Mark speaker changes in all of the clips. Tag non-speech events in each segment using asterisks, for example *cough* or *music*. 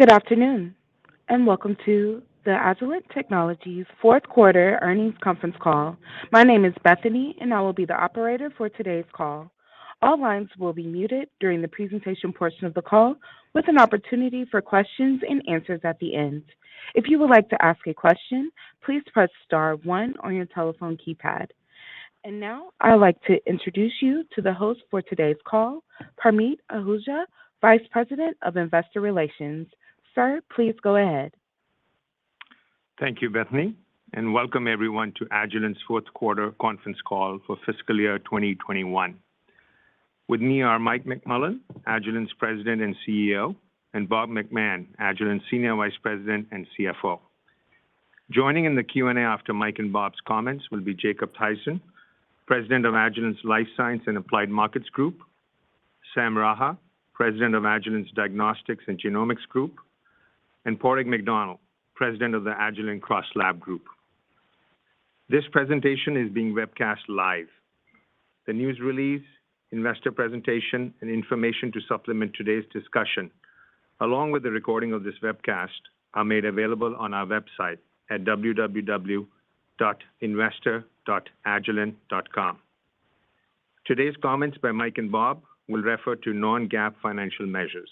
Speaker 1: Good afternoon, and welcome to the Agilent Technologies fourth quarter earnings conference call. My name is Bethany, and I will be the operator for today's call. All lines will be muted during the presentation portion of the call, with an opportunity for questions and answers at the end. If you would like to ask a question, please press star one on your telephone keypad. Now, I'd like to introduce you to the host for today's call, Parmeet Ahuja, Vice President of Investor Relations. Sir, please go ahead.
Speaker 2: Thank you, Bethany, and welcome everyone to Agilent's Fourth Quarter Conference Call for fiscal year 2021. With me are Mike McMullen, Agilent's President and CEO, and Bob McMahon, Agilent's Senior Vice President and CFO. Joining in the Q&A after Mike and Bob's comments will be Jacob Thaysen, President of Agilent's Life Sciences and Applied Markets Group, Sam Raha, President of Agilent's Diagnostics and Genomics Group, and Padraig McDonnell, President of the Agilent CrossLab Group. This presentation is being webcast live. The news release, investor presentation, and information to supplement today's discussion, along with the recording of this webcast, are made available on our website at www.investor.agilent.com. Today's comments by Mike and Bob will refer to non-GAAP financial measures.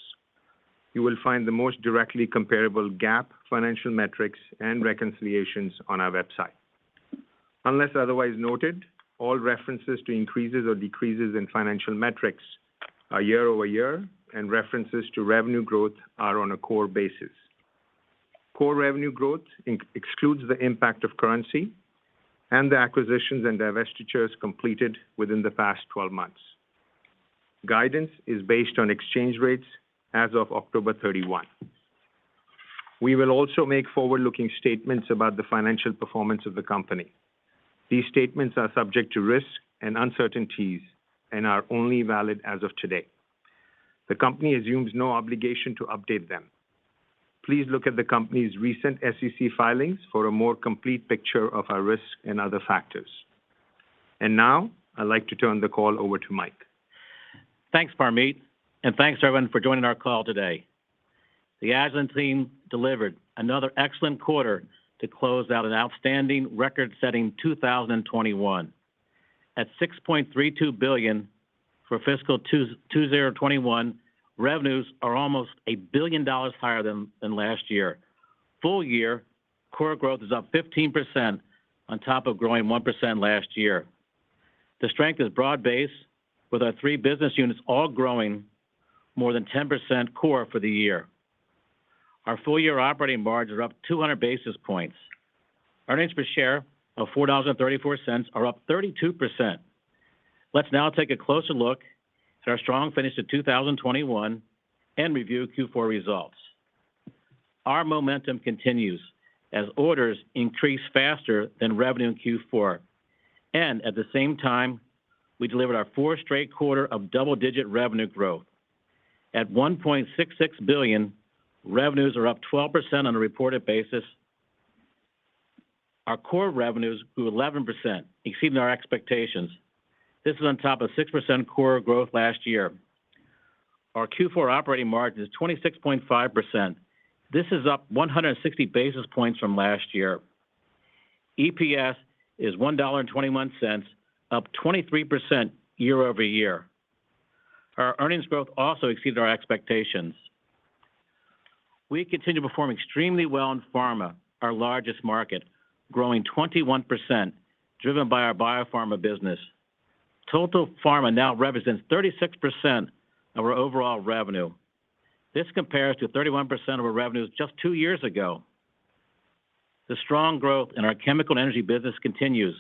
Speaker 2: You will find the most directly comparable GAAP financial metrics and reconciliations on our website. Unless otherwise noted, all references to increases or decreases in financial metrics are year-over-year, and references to revenue growth are on a core basis. Core revenue growth excludes the impact of currency and the acquisitions and divestitures completed within the past 12 months. Guidance is based on exchange rates as of October 31. We will also make forward-looking statements about the financial performance of the company. These statements are subject to risks and uncertainties and are only valid as of today. The company assumes no obligation to update them. Please look at the company's recent SEC filings for a more complete picture of our risks and other factors. Now, I'd like to turn the call over to Mike.
Speaker 3: Thanks, Parmeet, and thanks everyone for joining our call today. The Agilent team delivered another excellent quarter to close out an outstanding record-setting 2021. At $6.32 billion for fiscal 2021, revenues are almost $1 billion higher than last year. Full-year core growth is up 15% on top of growing 1% last year. The strength is broad-based with our three business units all growing more than 10% core for the year. Our full-year operating margins are up 200 basis points. Earnings per share of $4.34 are up 32%. Let's now take a closer look at our strong finish to 2021 and review Q4 results. Our momentum continues as orders increase faster than revenue in Q4, and at the same time, we delivered our fourth straight quarter of double-digit revenue growth. At $1.66 billion, revenues are up 12% on a reported basis. Our core revenues grew 11%, exceeding our expectations. This is on top of 6% core growth last year. Our Q4 operating margin is 26.5%. This is up 160 basis points from last year. EPS is $1.21, up 23% year-over-year. Our earnings growth also exceeded our expectations. We continue to perform extremely well in pharma, our largest market, growing 21%, driven by our biopharma business. Total pharma now represents 36% of our overall revenue. This compares to 31% of our revenues just two years ago. The strong growth in our chem and energy business continues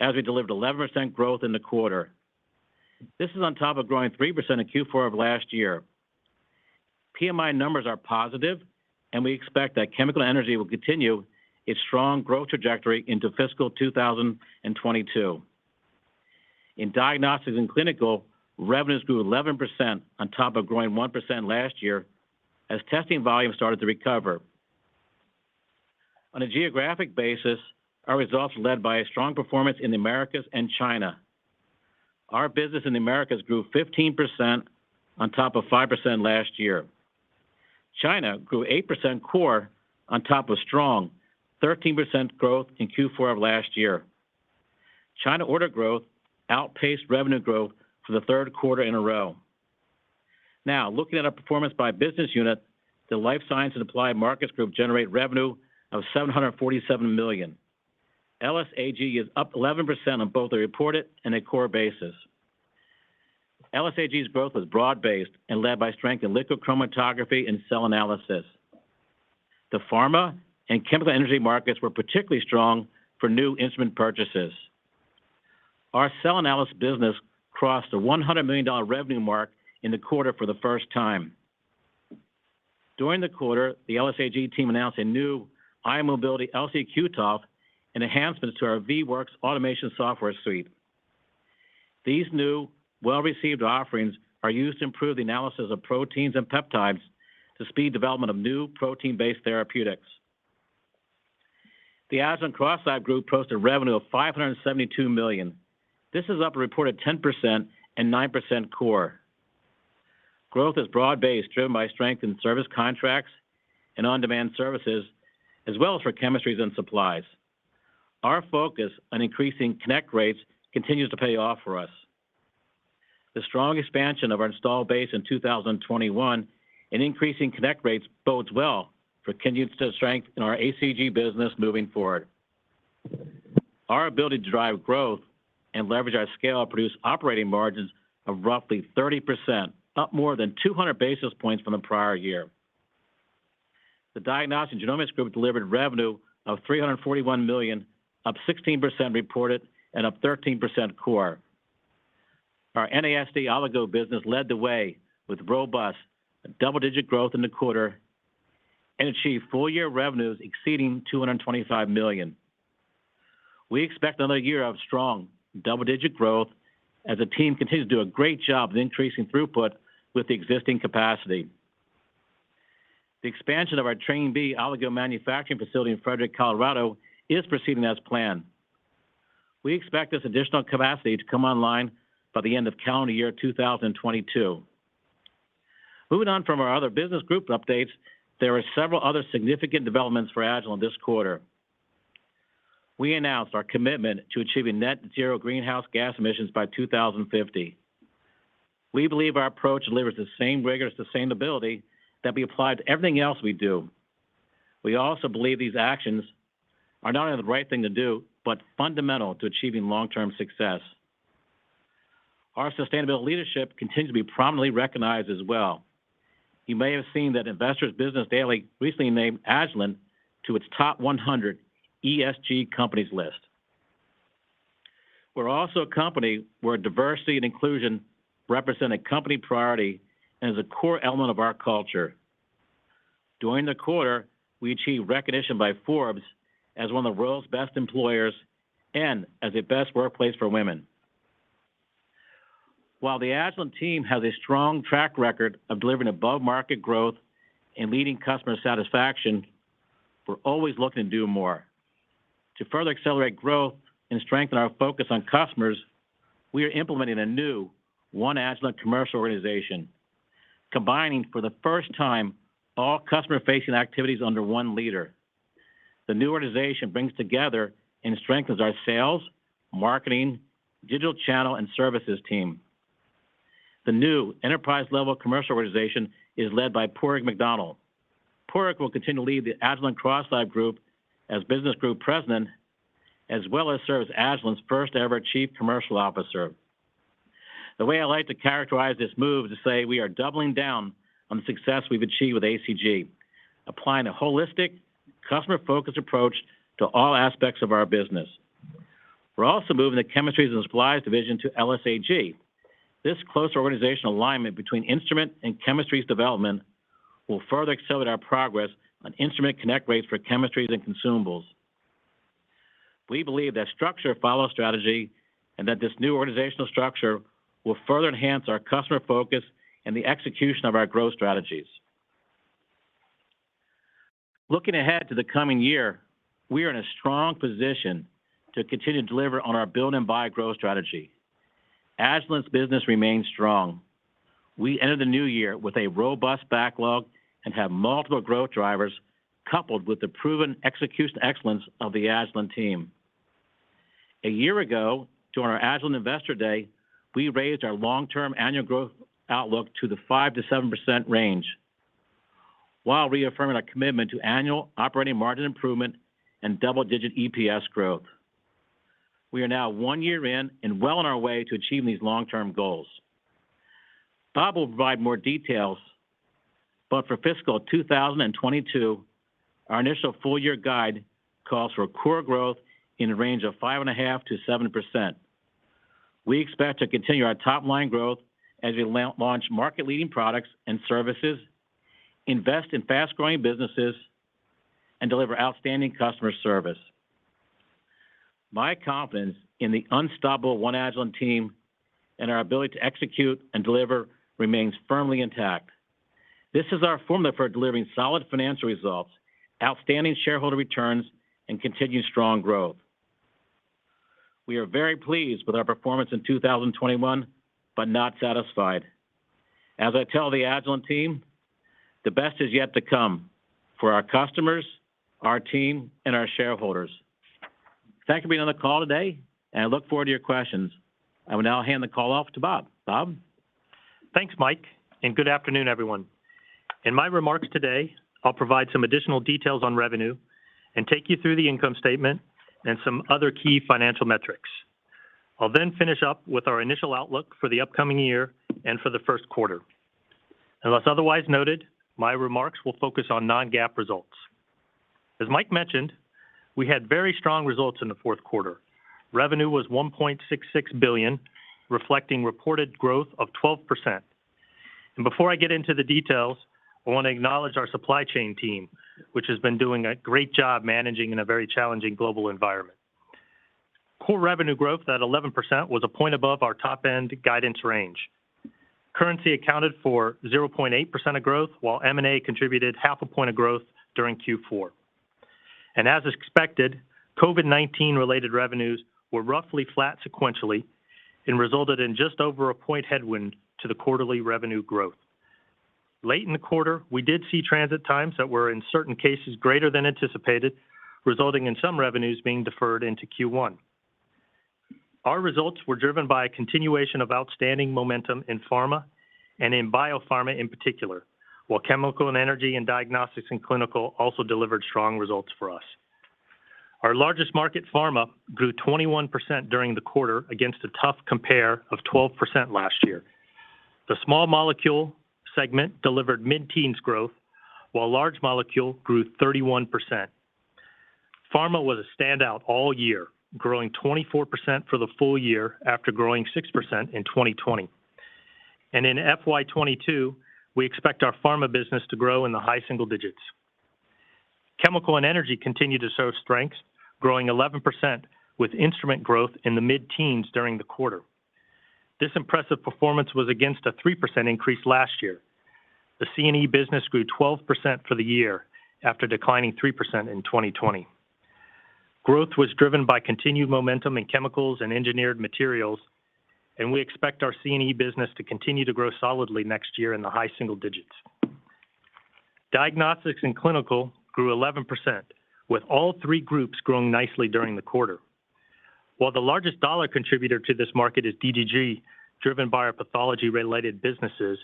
Speaker 3: as we delivered 11% growth in the quarter. This is on top of growing 3% in Q4 of last year. PMI numbers are positive, and we expect that chem and energy will continue its strong growth trajectory into fiscal 2022. In diagnostics and clinical, revenues grew 11% on top of growing 1% last year as testing volumes started to recover. On a geographic basis, our results led by a strong performance in the Americas and China. Our business in the Americas grew 15% on top of 5% last year. China grew 8% core on top of strong 13% growth in Q4 of last year. China order growth outpaced revenue growth for the third quarter in a row. Now, looking at our performance by business unit, the Life Sciences and Applied Markets Group generates revenue of $747 million. LSAG is up 11% on both a reported and a core basis. LSAG's growth was broad-based and led by strength in liquid chromatography and Cell Analysis. The pharma and chemical energy markets were particularly strong for new instrument purchases. Our Cell Analysis business crossed the $100 million revenue mark in the quarter for the first time. During the quarter, the LSAG team announced a new ion mobility LC/Q-TOF and enhancements to our VWorks automation software suite. These new well-received offerings are used to improve the analysis of proteins and peptides to speed development of new protein-based therapeutics. The Agilent CrossLab Group posted revenue of $572 million. This is up a reported 10% and 9% core. Growth is broad-based, driven by strength in service contracts and on-demand services as well as for chemistries and supplies. Our focus on increasing connect rates continues to pay off for us. The strong expansion of our installed base in 2021 and increasing connect rates bodes well for continued strength in our ACG business moving forward. Our ability to drive growth and leverage our scale produce operating margins of roughly 30%, up more than 200 basis points from the prior year. The Diagnostics and Genomics Group delivered revenue of $341 million, up 16% reported and up 13% core. Our NASD Oligo business led the way with robust double-digit growth in the quarter and achieved full-year revenues exceeding $225 million. We expect another year of strong double-digit growth as the team continues to do a great job of increasing throughput with the existing capacity. The expansion of our Train B Oligo manufacturing facility in Frederick, Colorado, is proceeding as planned. We expect this additional capacity to come online by the end of calendar year 2022. Moving on from our other business group updates, there are several other significant developments for Agilent this quarter. We announced our commitment to achieving net zero greenhouse gas emissions by 2050. We believe our approach delivers the same rigorous sustainability that we apply to everything else we do. We also believe these actions are not only the right thing to do, but fundamental to achieving long-term success. Our sustainability leadership continues to be prominently recognized as well. You may have seen that Investor's Business Daily recently named Agilent to its top 100 ESG companies list. We're also a company where diversity and inclusion represent a company priority as a core element of our culture. During the quarter, we achieved recognition by Forbes as one of the world's best employers and as a best workplace for women. While the Agilent team has a strong track record of delivering above-market growth and leading customer satisfaction, we're always looking to do more. To further accelerate growth and strengthen our focus on customers, we are implementing a new One Agilent commercial organization, combining for the first time all customer-facing activities under one leader. The new organization brings together and strengthens our sales, marketing, digital channel, and services team. The new enterprise-level commercial organization is led by Padraig McDonnell. Padraig will continue to lead the Agilent CrossLab Group as Business Group President, as well as serve as Agilent's first ever Chief Commercial Officer. The way I like to characterize this move is to say we are doubling down on the success we've achieved with ACG, applying a holistic, customer-focused approach to all aspects of our business. We're also moving the chemistries and supplies division to LSAG. This closer organizational alignment between instrument and chemistries development will further accelerate our progress on instrument connect rates for chemistries and consumables. We believe that structure follows strategy and that this new organizational structure will further enhance our customer focus and the execution of our growth strategies. Looking ahead to the coming year, we are in a strong position to continue to deliver on our build and buy growth strategy. Agilent's business remains strong. We enter the new year with a robust backlog and have multiple growth drivers coupled with the proven execution excellence of the Agilent team. A year ago, during our Agilent Investor Day, we raised our long-term annual growth outlook to the 5%-7% range, while reaffirming our commitment to annual operating margin improvement and double-digit EPS growth. We are now one year in and well on our way to achieving these long-term goals. Bob will provide more details, but for fiscal 2022, our initial full-year guide calls for a core growth in the range of 5.5%-7%. We expect to continue our top-line growth as we launch market-leading products and services, invest in fast-growing businesses, and deliver outstanding customer service. My confidence in the unstoppable One Agilent team and our ability to execute and deliver remains firmly intact. This is our formula for delivering solid financial results, outstanding shareholder returns, and continued strong growth. We are very pleased with our performance in 2021, but not satisfied. As I tell the Agilent team, the best is yet to come for our customers, our team, and our shareholders. Thank you for being on the call today, and I look forward to your questions. I will now hand the call off to Bob. Bob?
Speaker 4: Thanks, Mike, and good afternoon, everyone. In my remarks today, I'll provide some additional details on revenue and take you through the income statement and some other key financial metrics. I'll then finish up with our initial outlook for the upcoming year and for the first quarter. Unless otherwise noted, my remarks will focus on non-GAAP results. As Mike mentioned, we had very strong results in the fourth quarter. Revenue was $1.66 billion, reflecting reported growth of 12%. Before I get into the details, I want to acknowledge our supply chain team, which has been doing a great job managing in a very challenging global environment. Core revenue growth at 11% was 1 point above our top end guidance range. Currency accounted for 0.8% of growth, while M&A contributed 0.5 point of growth during Q4. As expected, COVID-19 related revenues were roughly flat sequentially and resulted in just over 1 point headwind to the quarterly revenue growth. Late in the quarter, we did see transit times that were in certain cases greater than anticipated, resulting in some revenues being deferred into Q1. Our results were driven by a continuation of outstanding momentum in pharma and in biopharma in particular. While chemical and energy and diagnostics and clinical also delivered strong results for us. Our largest market, pharma, grew 21% during the quarter against a tough compare of 12% last year. The small molecule segment delivered mid-teens growth, while large molecule grew 31%. Pharma was a standout all year, growing 24% for the full-year after growing 6% in 2020. In FY 2022, we expect our pharma business to grow in the high single digits. Chemical and energy continue to show strength, growing 11% with instrument growth in the mid-teens during the quarter. This impressive performance was against a 3% increase last year. The C&E business grew 12% for the year after declining 3% in 2020. Growth was driven by continued momentum in chemicals and engineered materials, and we expect our C&E business to continue to grow solidly next year in the high single digits. Diagnostics and clinical grew 11%, with all three groups growing nicely during the quarter. While the largest dollar contributor to this market is DGG, driven by our pathology related businesses,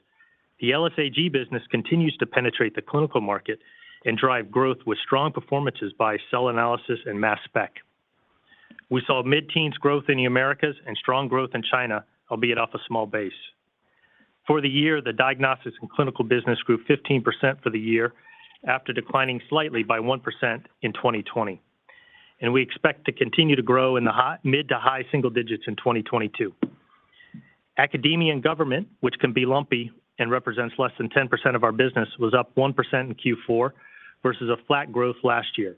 Speaker 4: the LSAG business continues to penetrate the clinical market and drive growth with strong performances by Cell Analysis and mass spec. We saw mid-teens growth in the Americas and strong growth in China, albeit off a small base. For the year, the diagnostics and clinical business grew 15% for the year after declining slightly by 1% in 2020. We expect to continue to grow in the mid to high-single digits in 2022. Academia and government, which can be lumpy and represents less than 10% of our business, was up 1% in Q4 versus a flat growth last year.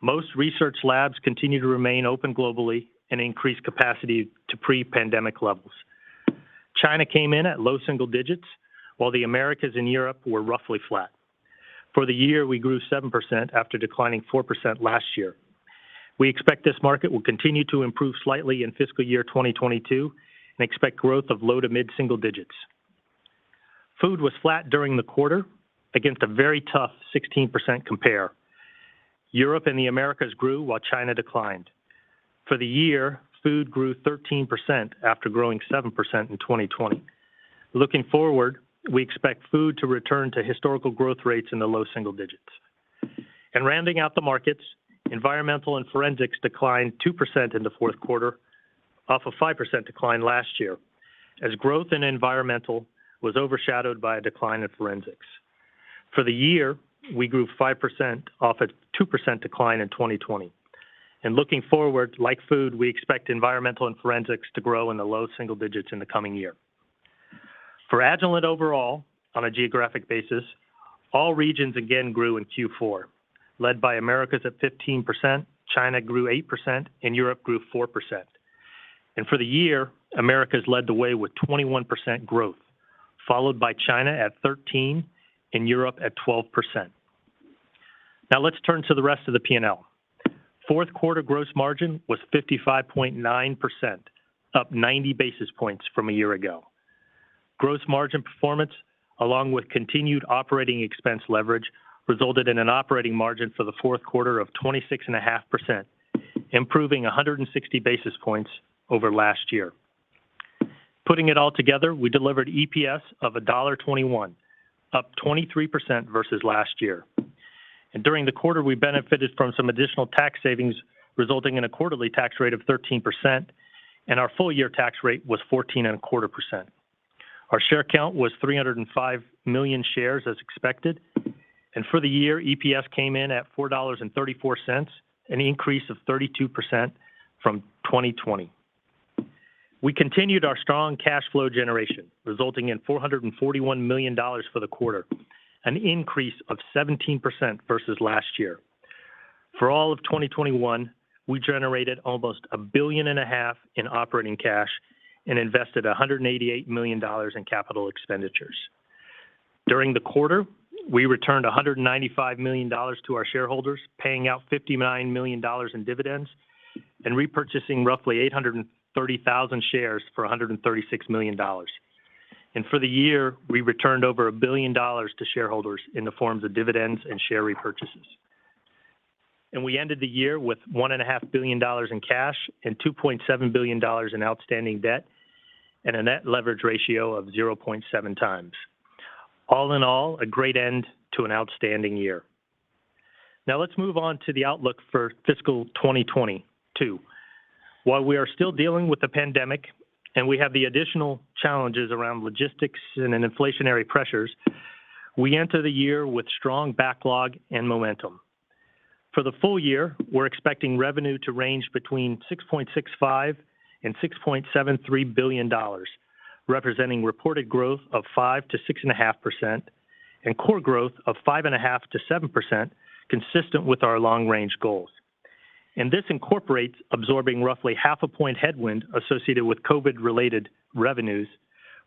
Speaker 4: Most research labs continue to remain open globally and increase capacity to pre-pandemic levels. China came in at low single digits, while the Americas and Europe were roughly flat. For the year, we grew 7% after declining 4% last year. We expect this market will continue to improve slightly in fiscal year 2022 and expect growth of low to mid-single digits. Food was flat during the quarter against a very tough 16% compare. Europe and the Americas grew while China declined. For the year, food grew 13% after growing 7% in 2020. Looking forward, we expect food to return to historical growth rates in the low single digits. Rounding out the markets, environmental and forensics declined 2% in the fourth quarter off a 5% decline last year, as growth in environmental was overshadowed by a decline in forensics. For the year, we grew 5% off a 2% decline in 2020. Looking forward, like food, we expect environmental and forensics to grow in the low single digits in the coming year. For Agilent overall, on a geographic basis, all regions again grew in Q4, led by Americas at 15%, China grew 8%, and Europe grew 4%. For the year, Americas led the way with 21% growth, followed by China at 13% and Europe at 12%. Now let's turn to the rest of the P&L. Fourth quarter gross margin was 55.9%, up 90 basis points from a year ago. Gross margin performance, along with continued operating expense leverage, resulted in an operating margin for the fourth quarter of 26.5%, improving 160 basis points over last year. Putting it all together, we delivered EPS of $1.21, up 23% versus last year. During the quarter, we benefited from some additional tax savings resulting in a quarterly tax rate of 13%, and our full-year tax rate was 14.25%. Our share count was 305 million shares as expected. For the year, EPS came in at $4.34, an increase of 32% from 2020. We continued our strong cash flow generation, resulting in $441 million for the quarter, an increase of 17% versus last year. For all of 2021, we generated almost $1.5 billion in operating cash and invested $188 million in capital expenditures. During the quarter, we returned $195 million to our shareholders, paying out $59 million in dividends and repurchasing roughly 830,000 shares for $136 million. For the year, we returned over $1 billion to shareholders in the forms of dividends and share repurchases. We ended the year with $1.5 billion in cash and $2.7 billion in outstanding debt, and a net leverage ratio of 0.7x. All in all, a great end to an outstanding year. Now let's move on to the outlook for fiscal 2022. While we are still dealing with the pandemic and we have the additional challenges around logistics and inflationary pressures, we enter the year with strong backlog and momentum. For the full-year, we're expecting revenue to range between $6.65 billion and $6.73 billion, representing reported growth of 5%-6.5%. Core growth of 5.5%-7%, consistent with our long range goals. This incorporates absorbing roughly half a point headwind associated with COVID related revenues,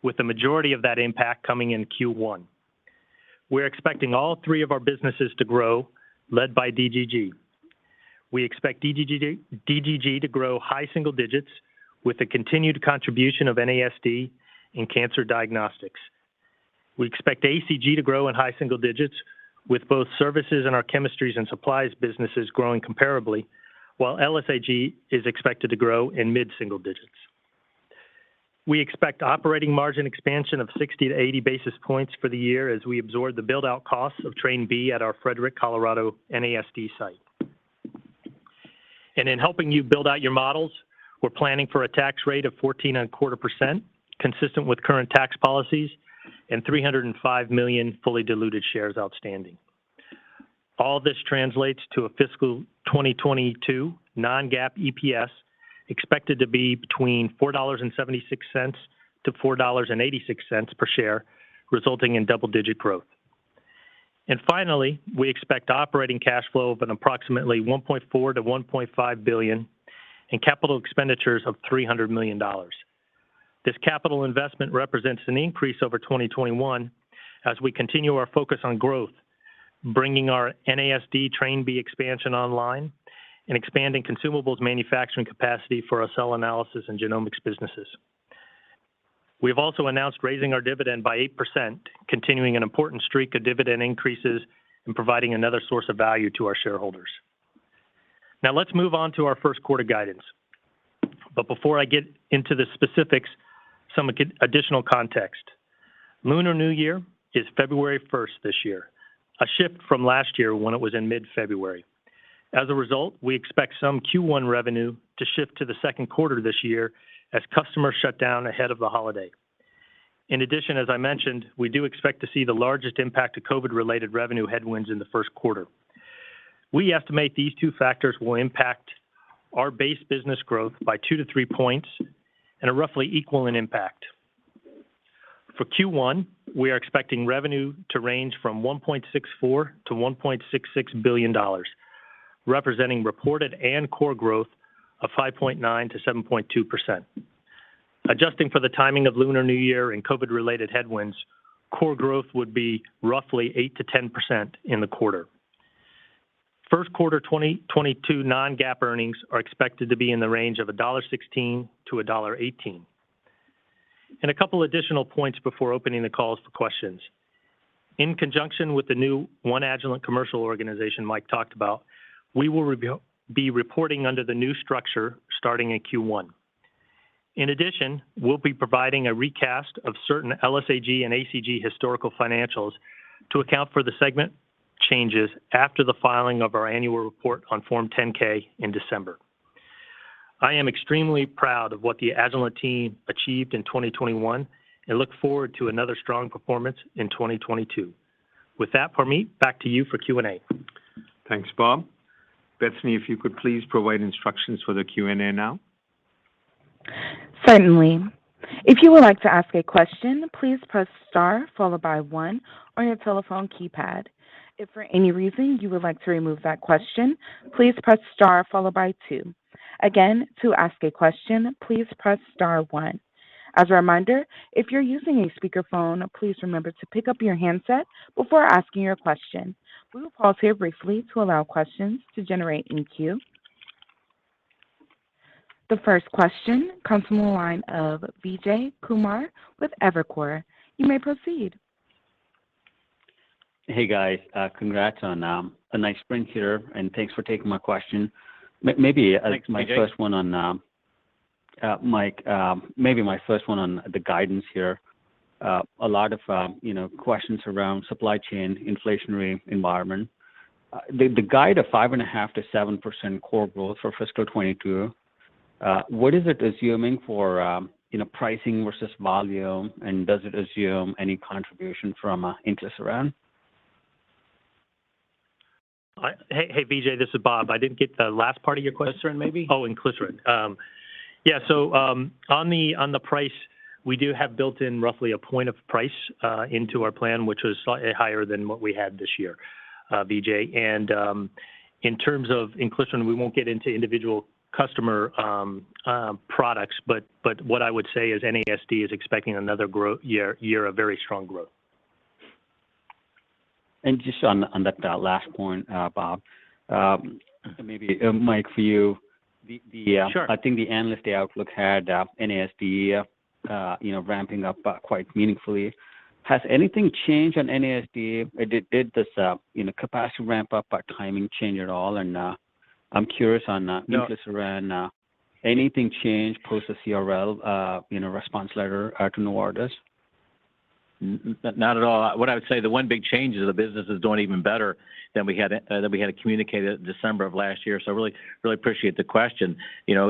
Speaker 4: with the majority of that impact coming in Q1. We're expecting all three of our businesses to grow, led by DGG. We expect DGG to grow high single digits with the continued contribution of NASD in cancer diagnostics. We expect ACG to grow in high single digits with both services and our chemistries and supplies businesses growing comparably, while LSAG is expected to grow in mid-single digits. We expect operating margin expansion of 60-80 basis points for the year as we absorb the build out costs of train B at our Frederick, Colorado, NASD site. In helping you build out your models, we're planning for a tax rate of 14.25%, consistent with current tax policies, and 305 million fully diluted shares outstanding. All this translates to a fiscal 2022 non-GAAP EPS expected to be between $4.76-$4.86 per share, resulting in double-digit growth. Finally, we expect operating cash flow of approximately $1.4 billion-$1.5 billion, and capital expenditures of $300 million. This capital investment represents an increase over 2021 as we continue our focus on growth, bringing our NASD Train B expansion online and expanding consumables manufacturing capacity for our Cell Analysis and Genomics businesses. We've also announced raising our dividend by 8%, continuing an important streak of dividend increases and providing another source of value to our shareholders. Now let's move on to our first quarter guidance. Before I get into the specifics, some additional context. Lunar New Year is February first this year, a shift from last year when it was in mid-February. As a result, we expect some Q1 revenue to shift to the second quarter this year as customers shut down ahead of the holiday. In addition, as I mentioned, we do expect to see the largest impact of COVID related revenue headwinds in the first quarter. We estimate these two factors will impact our base business growth by 2-3 points and are roughly equal in impact. For Q1, we are expecting revenue to range from $1.64 billion-$1.66 billion, representing reported and core growth of 5.9%-7.2%. Adjusting for the timing of Lunar New Year and COVID related headwinds, core growth would be roughly 8%-10% in the quarter. First quarter 2022 non-GAAP earnings are expected to be in the range of $1.16-$1.18. A couple additional points before opening the call to questions. In conjunction with the new One Agilent Commercial Organization Mike talked about, we will be reporting under the new structure starting in Q1. In addition, we'll be providing a recast of certain LSAG and ACG historical financials to account for the segment changes after the filing of our annual report on Form 10-K in December. I am extremely proud of what the Agilent team achieved in 2021 and look forward to another strong performance in 2022. With that, Parmeet, back to you for Q&A.
Speaker 2: Thanks, Bob. Bethany, if you could please provide instructions for the Q&A now.
Speaker 1: The first question comes from the line of Vijay Kumar with Evercore. You may proceed.
Speaker 5: Hey, guys. Congrats on a nice sprint here, and thanks for taking my question.
Speaker 4: Thanks, Vijay.
Speaker 5: Mike, maybe my first one on the guidance here. A lot of you know questions around supply chain, inflationary environment. The guide of 5.5%-7% core growth for fiscal 2022, what is it assuming for you know pricing versus volume? Does it assume any contribution from Inclisiran?
Speaker 4: Hey, Vijay, this is Bob. I didn't get the last part of your question.
Speaker 5: Inclisiran, maybe.
Speaker 4: Oh, Inclisiran. On the price, we do have built in roughly a point of price into our plan, which was slightly higher than what we had this year, Vijay. In terms of Inclisiran, we won't get into individual customer products, but what I would say is NASD is expecting another growth year of very strong growth.
Speaker 5: Just on that last point, Bob, maybe Mike, for you.
Speaker 4: Sure
Speaker 5: I think the analyst day outlook had NASD you know ramping up quite meaningfully. Has anything changed on NASD? Did this you know capacity ramp up by timing change at all? I'm curious on
Speaker 3: No
Speaker 5: Inclisiran. Anything changed post the CRL, you know, response letter, to Novartis?
Speaker 3: Not at all. What I would say, the one big change is the business is doing even better than we had than we had communicated December of last year. Really appreciate the question. You know,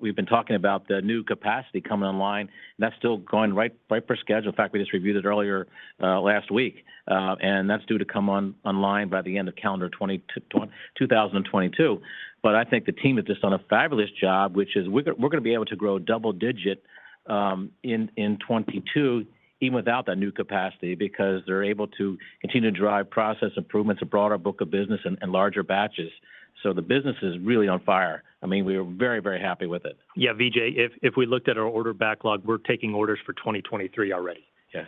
Speaker 3: we've been talking about the new capacity coming online, and that's still going right per schedule. In fact, we just reviewed it earlier last week, and that's due to come online by the end of calendar 2022. I think the team has just done a fabulous job, which is we're gonna be able to grow double-digit in 2022 even without that new capacity, because they're able to continue to drive process improvements, a broader book of business and larger batches. The business is really on fire. I mean, we are very, very happy with it.
Speaker 4: Yeah, Vijay, if we looked at our order backlog, we're taking orders for 2023 already.
Speaker 5: Yeah.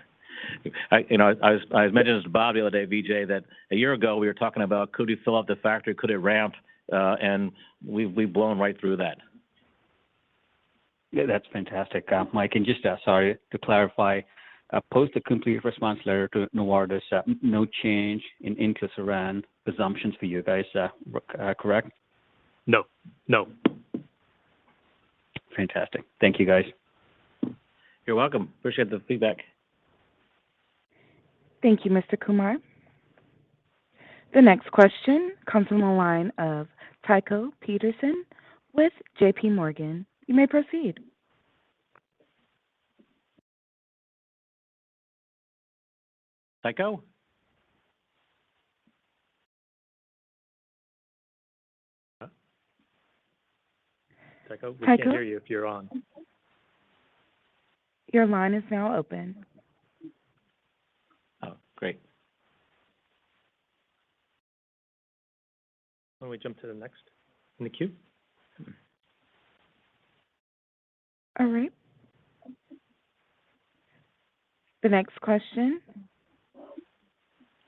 Speaker 3: You know, I mentioned this to Bob the other day, Vijay, that a year ago we were talking about could we fill up the factory, could it ramp, and we've blown right through that.
Speaker 5: Yeah, that's fantastic, Mike. Just, sorry, to clarify, post the complete response letter to Novartis, no change in interest around assumptions for you guys, correct?
Speaker 3: No, no.
Speaker 5: Fantastic. Thank you, guys.
Speaker 3: You're welcome. Appreciate the feedback.
Speaker 1: Thank you, Mr. Kumar. The next question comes from the line of Tycho Peterson with JPMorgan. You may proceed.
Speaker 3: Tycho?
Speaker 1: Tycho?
Speaker 3: We can't hear you if you're on.
Speaker 1: Your line is now open.
Speaker 3: Oh, great. Why don't we jump to the next in the queue?
Speaker 1: All right. The next question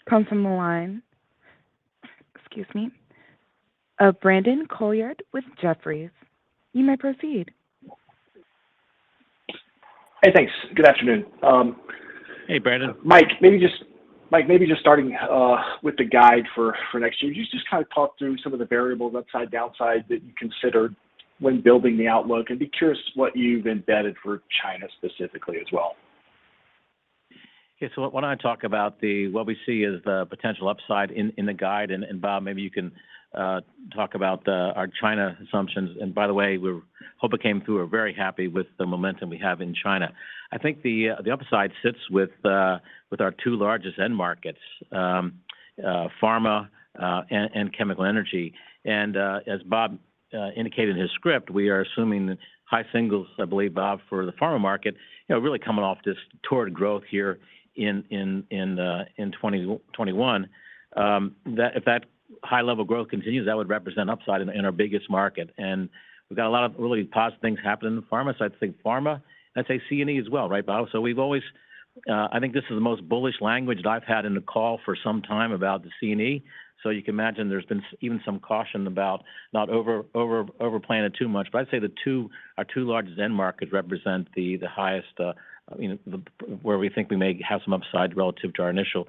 Speaker 1: comes from the line, excuse me, of Brandon Couillard with Jefferies. You may proceed.
Speaker 6: Hey, thanks. Good afternoon.
Speaker 3: Hey, Brandon.
Speaker 6: Mike, maybe just starting with the guide for next year, can you just kind of talk through some of the variables, upside, downside that you considered when building the outlook? I'm curious what you've embedded for China specifically as well.
Speaker 3: Okay. When I talk about what we see as the potential upside in the guide, and Bob, maybe you can talk about our China assumptions. By the way, we hope it came through. We're very happy with the momentum we have in China. I think the upside sits with our two largest end markets, pharma and chemical and energy. As Bob indicated in his script, we are assuming high singles, I believe, Bob, for the pharma market, you know, really coming off this strong growth here in 2021. If that high level growth continues, that would represent upside in our biggest market. We've got a lot of really positive things happening in the pharma. I'd think pharma, I'd say C&E as well, right, Bob? We've always, I think this is the most bullish language that I've had in the call for some time about the C&E. You can imagine there's been even some caution about not over planning too much. I'd say our two largest end markets represent the highest, you know, where we think we may have some upside relative to our initial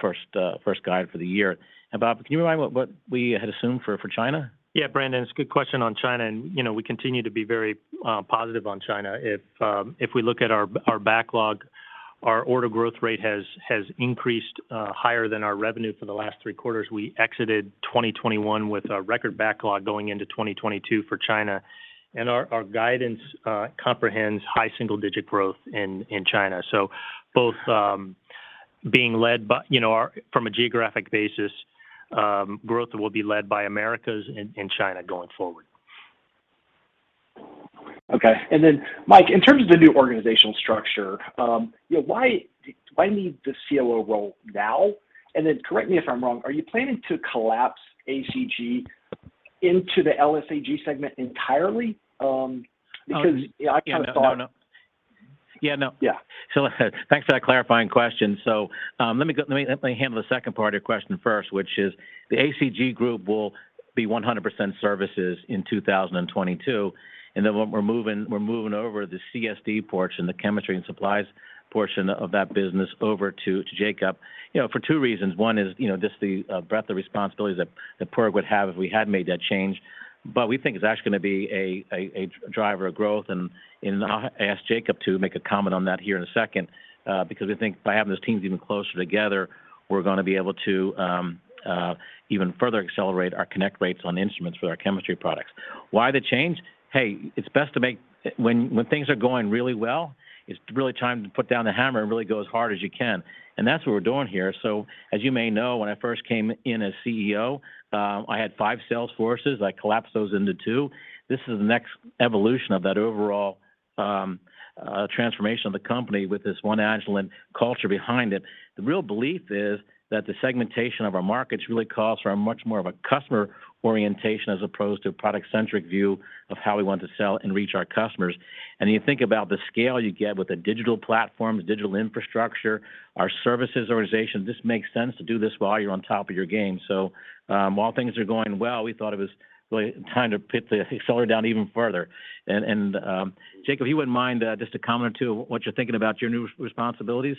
Speaker 3: first guide for the year. Bob, can you remind what we had assumed for China?
Speaker 4: Brandon, it's a good question on China, and you know, we continue to be very positive on China. If we look at our backlog, our order growth rate has increased higher than our revenue for the last three quarters. We exited 2021 with a record backlog going into 2022 for China. Our guidance comprehends high single-digit growth in China. From a geographic basis, growth will be led by Americas and China going forward.
Speaker 6: Okay. Then Mike, in terms of the new organizational structure, you know, why need the COO role now? Then correct me if I'm wrong, are you planning to collapse ACG into the LSAG segment entirely? Because I kind of thought
Speaker 3: No, no. Yeah, no.
Speaker 6: Yeah.
Speaker 3: Thanks for that clarifying question. Let me handle the second part of your question first, which is the ACG Group will be 100% services in 2022. Then what we're moving over the CSD portion, the chemistry and supplies portion of that business over to Jacob you know for two reasons. One is you know just the breadth of responsibilities that Padraig would have if we had made that change. But we think it's actually gonna be a driver of growth. I'll ask Jacob to make a comment on that here in a second because we think by having those teams even closer together, we're gonna be able to even further accelerate our connect rates on instruments for our chemistry products. Why the change? When things are going really well, it's really time to put down the hammer and really go as hard as you can, and that's what we're doing here. As you may know, when I first came in as CEO, I had five sales forces. I collapsed those into two. This is the next evolution of that overall transformation of the company with this one Agilent culture behind it. The real belief is that the segmentation of our markets really calls for a much more of a customer orientation as opposed to a product-centric view of how we want to sell and reach our customers. You think about the scale you get with a digital platform, a digital infrastructure, our services organization. This makes sense to do this while you're on top of your game. While things are going well, we thought it was really time to put the accelerator down even further. Jacob, if you wouldn't mind, just to comment too what you're thinking about your new responsibilities.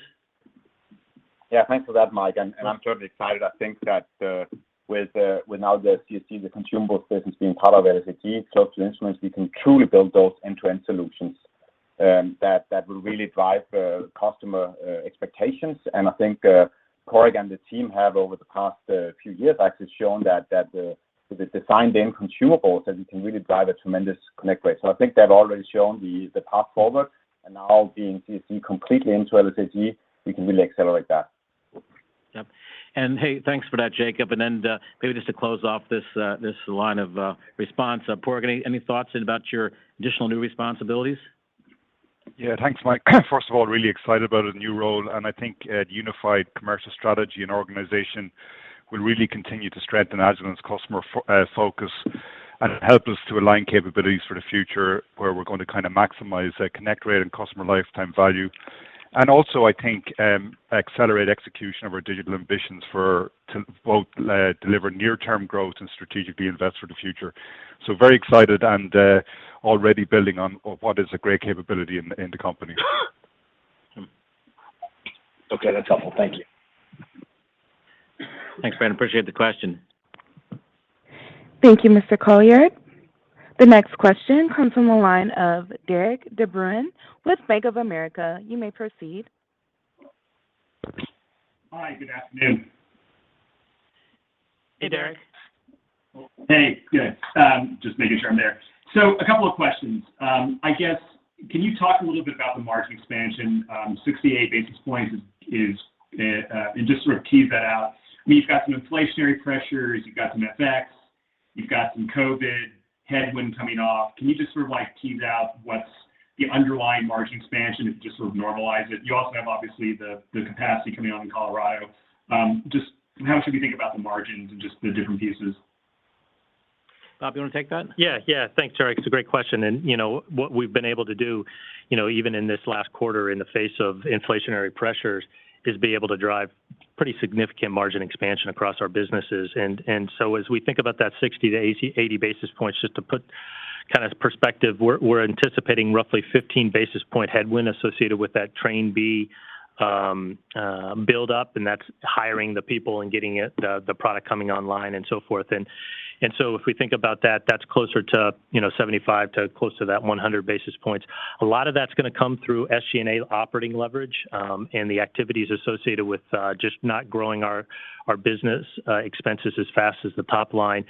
Speaker 3: Yeah. Thanks for that, Mike, I'm totally excited. I think that with now the CSD, the consumables business being part of LSAG, close to instruments, we can truly build those end-to-end solutions, that will really drive customer expectations. I think Padraig and the team have over the past few years actually shown that with the design being consumables, that we can really drive a tremendous connect rate. I think they've already shown the path forward. Now being CSD completely into LSAG, we can really accelerate that. Yep. Hey, thanks for that, Jacob. Maybe just to close off this line of response, Padraig McDonnell, any thoughts about your additional new responsibilities?
Speaker 7: Yeah. Thanks, Mike. First of all, really excited about the new role and I think a unified commercial strategy and organization. Will really continue to strengthen Agilent's customer focus and help us to align capabilities for the future where we're going to kind of maximize their connect rate and customer lifetime value. I think accelerate execution of our digital ambitions to both deliver near-term growth and strategically invest for the future. Very excited and already building on what is a great capability in the company.
Speaker 6: Okay. That's helpful. Thank you.
Speaker 3: Thanks, Brandon. Appreciate the question.
Speaker 1: Thank you, Mr. Couillard. The next question comes from the line of Derik de Bruin with Bank of America. You may proceed.
Speaker 8: Hi. Good afternoon.
Speaker 4: Hey, Derik.
Speaker 8: Hey. Good. Just making sure I'm there. A couple of questions. I guess, can you talk a little bit about the margin expansion, 68 basis points, and just sort of tease that out. I mean, you've got some inflationary pressures, you've got some FX, you've got some COVID headwind coming off. Can you just sort of like tease out what's the underlying margin expansion if you just sort of normalize it? You also have, obviously, the capacity coming on in Colorado. Just how should we think about the margins and just the different pieces?
Speaker 3: Bob, you wanna take that?
Speaker 4: Yeah. Yeah. Thanks, Derik. It's a great question. You know, what we've been able to do, you know, even in this last quarter in the face of inflationary pressures, is be able to drive pretty significant margin expansion across our businesses. As we think about that 60 basis points to 80 basis points, just to put kind of perspective, we're anticipating roughly 15 basis point headwind associated with that Train B build-up, and that's hiring the people and getting it, the product coming online and so forth. If we think about that's closer to, you know, 75 basis points to close to that 100 basis points. A lot of that's gonna come through SG&A operating leverage, and the activities associated with just not growing our business expenses as fast as the top line.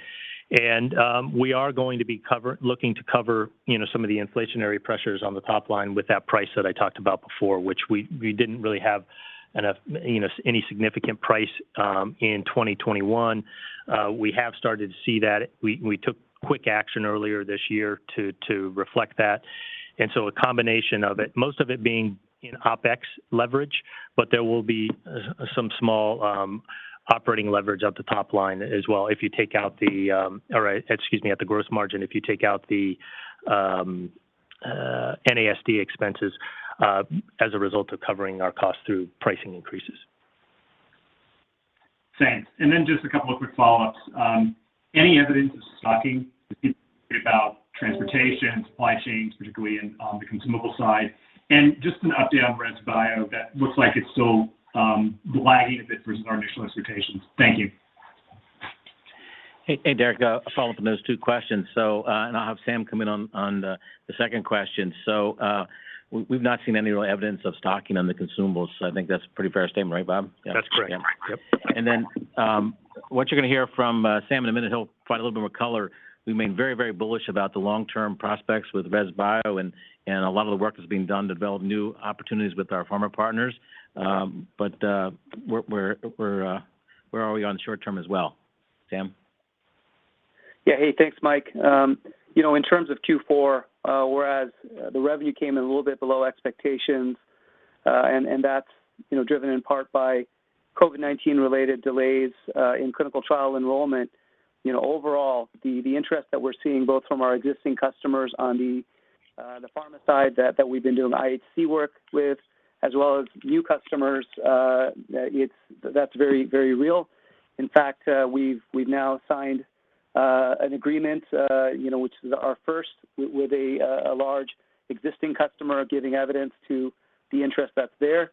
Speaker 4: We are going to be looking to cover some of the inflationary pressures on the top line with that price that I talked about before, which we didn't really have any significant price in 2021. We have started to see that. We took quick action earlier this year to reflect that. A combination of it, most of it being in OpEx leverage, but there will be some small operating leverage at the top line as well if you take out the At the gross margin, if you take out the NASD expenses, as a result of covering our costs through pricing increases.
Speaker 8: Thanks. Just a couple of quick follow-ups. Any evidence of stocking about transportation, supply chains, particularly on the consumable side? Just an update on Resolution Bioscience, that looks like it's still lagging a bit versus our initial expectations. Thank you.
Speaker 3: Hey, hey Derik De Bruin, a follow-up on those two questions. I'll have Sam come in on the second question. We've not seen any real evidence of stocking on the consumables. I think that's a pretty fair statement. Right, Bob?
Speaker 4: That's correct. Yeah.
Speaker 3: Yep. What you're gonna hear from Sam in a minute, he'll provide a little bit more color. We remain very, very bullish about the long-term prospects with Resolution Bioscience and a lot of the work that's being done to develop new opportunities with our pharma partners. We're already on short term as well. Sam?
Speaker 9: Yeah. Hey, thanks, Mike. You know, in terms of Q4, whereas the revenue came in a little bit below expectations, and that's driven in part by COVID-19 related delays in clinical trial enrollment. You know, overall, the interest that we're seeing both from our existing customers on the pharma side that we've been doing IHC work with as well as new customers, that's very, very real. In fact, we've now signed an agreement, you know, which is our first with a large existing customer giving evidence to the interest that's there.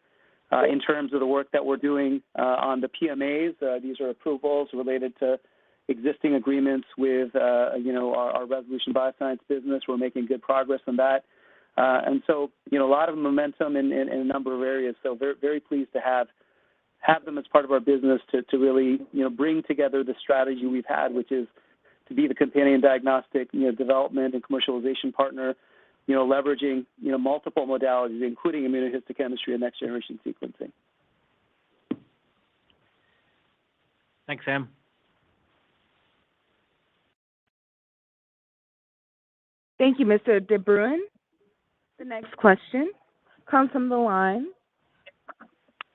Speaker 9: In terms of the work that we're doing on the PMAs, these are approvals related to existing agreements with our Resolution Bioscience business. We're making good progress on that. You know, a lot of momentum in a number of areas, so very pleased to have them as part of our business to really, you know, bring together the strategy we've had, which is to be the companion diagnostic development and commercialization partner, you know, leveraging multiple modalities, including immunohistochemistry and next-generation sequencing.
Speaker 4: Thanks, Sam.
Speaker 1: Thank you, Mr. De Bruin. The next question comes from the line,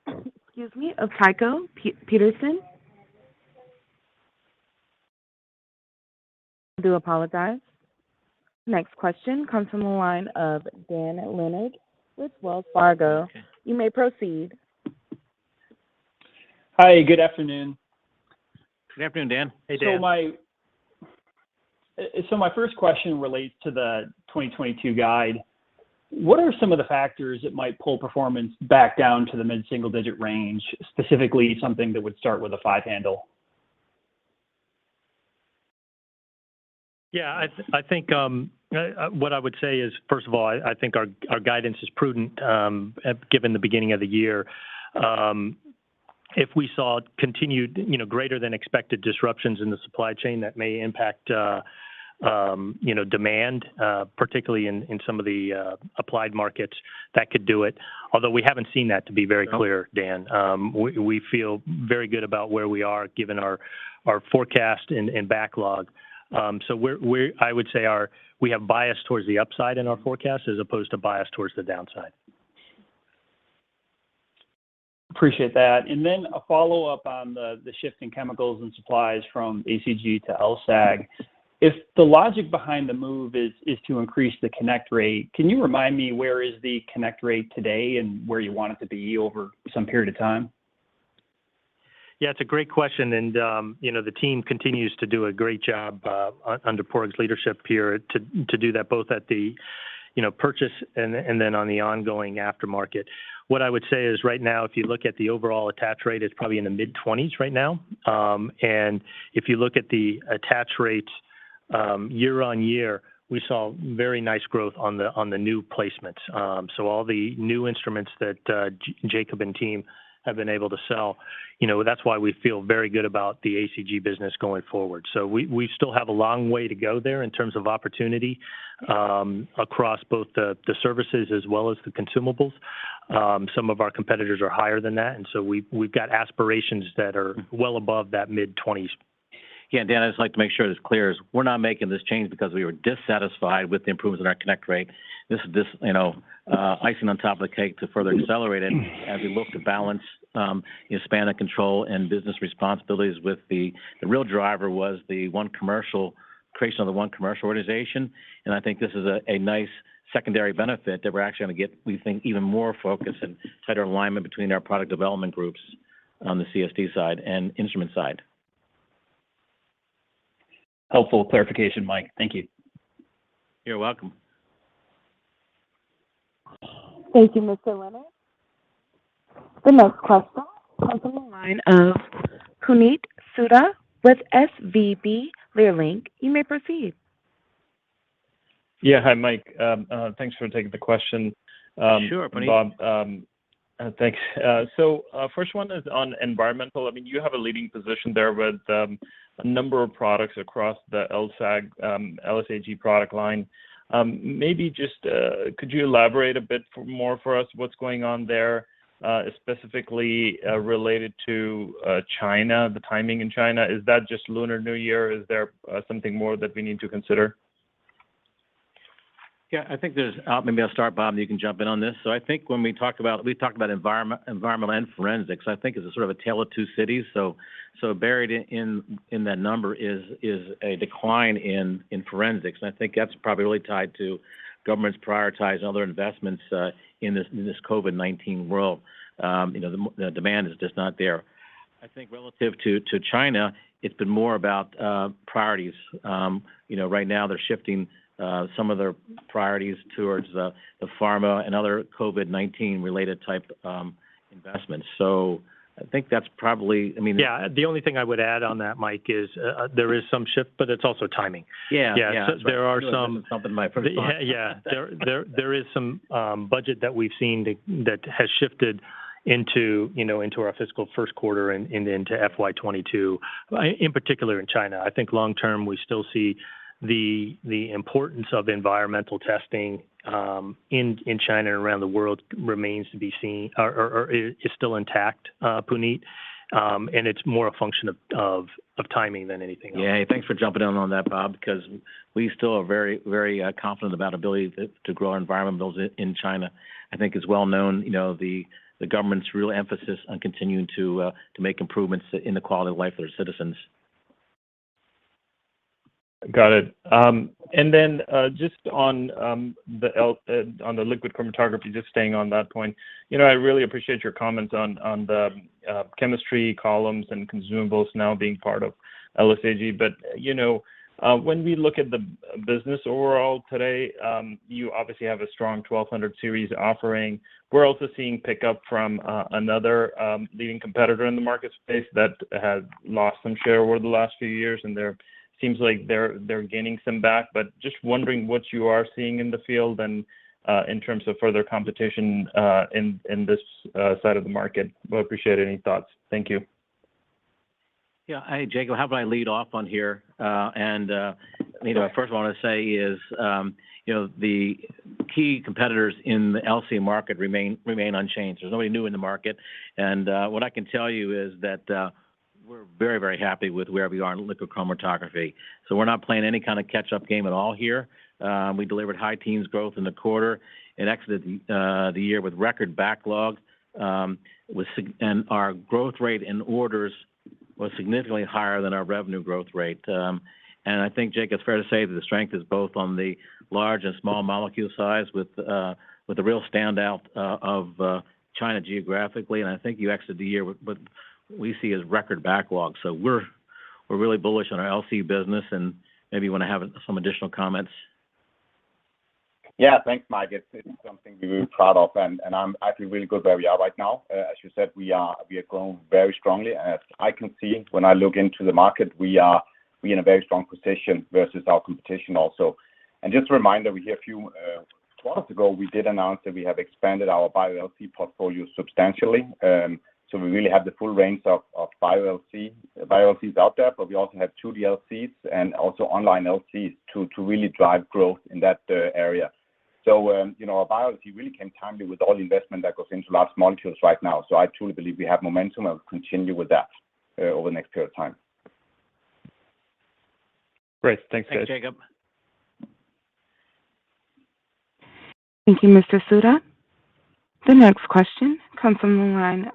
Speaker 1: excuse me, of Tycho Peterson. I do apologize. Next question comes from the line of Dan Leonard with Wells Fargo. You may proceed.
Speaker 10: Hi, good afternoon.
Speaker 4: Good afternoon, Dan.
Speaker 3: Hey, Dan.
Speaker 10: My first question relates to the 2022 guide. What are some of the factors that might pull performance back down to the mid-single-digit range, specifically something that would start with a five handle?
Speaker 4: I think what I would say is, first of all, I think our guidance is prudent, given the beginning of the year. If we saw continued, you know, greater than expected disruptions in the supply chain, that may impact, you know, demand, particularly in some of the applied markets, that could do it. Although we haven't seen that, to be very clear, Dan. We feel very good about where we are given our forecast and backlog. I would say we have bias towards the upside in our forecast as opposed to bias towards the downside.
Speaker 10: Appreciate that. Then a follow-up on the shift in chemicals and supplies from ACG to LSAG. If the logic behind the move is to increase the connect rate, can you remind me where is the connect rate today and where you want it to be over some period of time?
Speaker 3: Yeah, it's a great question. The team continues to do a great job under Padraig's leadership here to do that both at the purchase and then on the ongoing aftermarket. What I would say is right now if you look at the overall attach rate, it's probably in the mid 20% right now. If you look at the attach rates year-over-year, we saw very nice growth on the new placements. All the new instruments that Jacob and team have been able to sell, you know, that's why we feel very good about the ACG business going forward. We still have a long way to go there in terms of opportunity across both the services as well as the consumables. Some of our competitors are higher than that, and so we've got aspirations that are well above that mid 20%. Dan, I'd just like to make sure it's clear we're not making this change because we were dissatisfied with the improvements in our connect rate. This is just, you know, icing on top of the cake to further accelerate it as we look to balance span of control and business responsibilities. The real driver was the creation of the one commercial organization. I think this is a nice secondary benefit that we're actually gonna get, we think, even more focus and tighter alignment between our product development groups on the CSD side and instrument side.
Speaker 10: Helpful clarification, Mike. Thank you.
Speaker 3: You're welcome.
Speaker 1: Thank you, Mr. Leonard. The next question comes from the line of Puneet Souda with SVB Leerink. You may proceed.
Speaker 11: Yeah. Hi, Mike. Thanks for taking the question.
Speaker 3: Sure, Puneet
Speaker 11: Bob. Thanks. First one is on environmental. I mean, you have a leading position there with a number of products across the LSAG product line. Maybe just could you elaborate a bit more for us what's going on there, specifically related to China, the timing in China? Is that just Lunar New Year? Is there something more that we need to consider?
Speaker 3: I think maybe I'll start, Bob, and you can jump in on this. I think when we talk about environmental and forensics, it is a sort of a tale of two cities. Buried in that number is a decline in forensics, and I think that's probably really tied to governments prioritizing other investments in this COVID-19 world. You know, the demand is just not there. I think relative to China, it's been more about priorities. You know, right now they're shifting some of their priorities towards the pharma and other COVID-19 related type investments. I think that's probably.
Speaker 4: Yeah, the only thing I would add on that, Mike, is there is some shift, but it's also timing.
Speaker 3: Yeah.
Speaker 4: There is some budget that we've seen that has shifted into, you know, into our fiscal first quarter and into FY 2022, in particular in China. I think long term we still see the importance of environmental testing in China and around the world remains to be seen or is still intact, Puneet. And it's more a function of timing than anything else.
Speaker 3: Yeah. Thanks for jumping in on that, Bob, because we still are very confident about our ability to grow our environmental business in China. I think it's well known, you know, the government's real emphasis on continuing to make improvements in the quality of life for their citizens.
Speaker 11: Got it. Just on the liquid chromatography, just staying on that point. You know, I really appreciate your comments on the chemistry columns and consumables now being part of LSAG. You know, when we look at the business overall today, you obviously have a strong 1200 Series offering. We're also seeing pickup from another leading competitor in the market space that has lost some share over the last few years, and seems like they're gaining some back. Just wondering what you are seeing in the field and in terms of further competition in this side of the market. I will appreciate any thoughts. Thank you.
Speaker 3: Yeah. Hey, Jacob, how about I lead off on here? You know, first I wanna say is, you know, the key competitors in the LC market remain unchanged. There's nobody new in the market. What I can tell you is that, we're very happy with where we are in liquid chromatography. We're not playing any kind of catch-up game at all here. We delivered high teens growth in the quarter and exited the year with record backlog. Our growth rate in orders was significantly higher than our revenue growth rate. I think, Jake, it's fair to say that the strength is both on the large and small molecule size with the real standout of China geographically. I think you exited the year with what we see as record backlog. We're really bullish on our LC business, and maybe you wanna have some additional comments.
Speaker 12: Yeah. Thanks, Mike. It's something we're really proud of, and I feel really good where we are right now. As you said, we are growing very strongly. As I can see when I look into the market, we're in a very strong position versus our competition also. Just a reminder, a few months ago we did announce that we have expanded our Bio LC portfolio substantially. We really have the full range of Bio LC, Bio LCs out there, but we also have 2D LCs and also online LCs to really drive growth in that area. You know, our Bio LC really came timely with all the investment that goes into large molecules right now. I truly believe we have momentum and continue with that over the next period of time.
Speaker 11: Great. Thanks, guys.
Speaker 3: Thanks, Jacob.
Speaker 1: Thank you, Mr. Souda. The next question comes from the line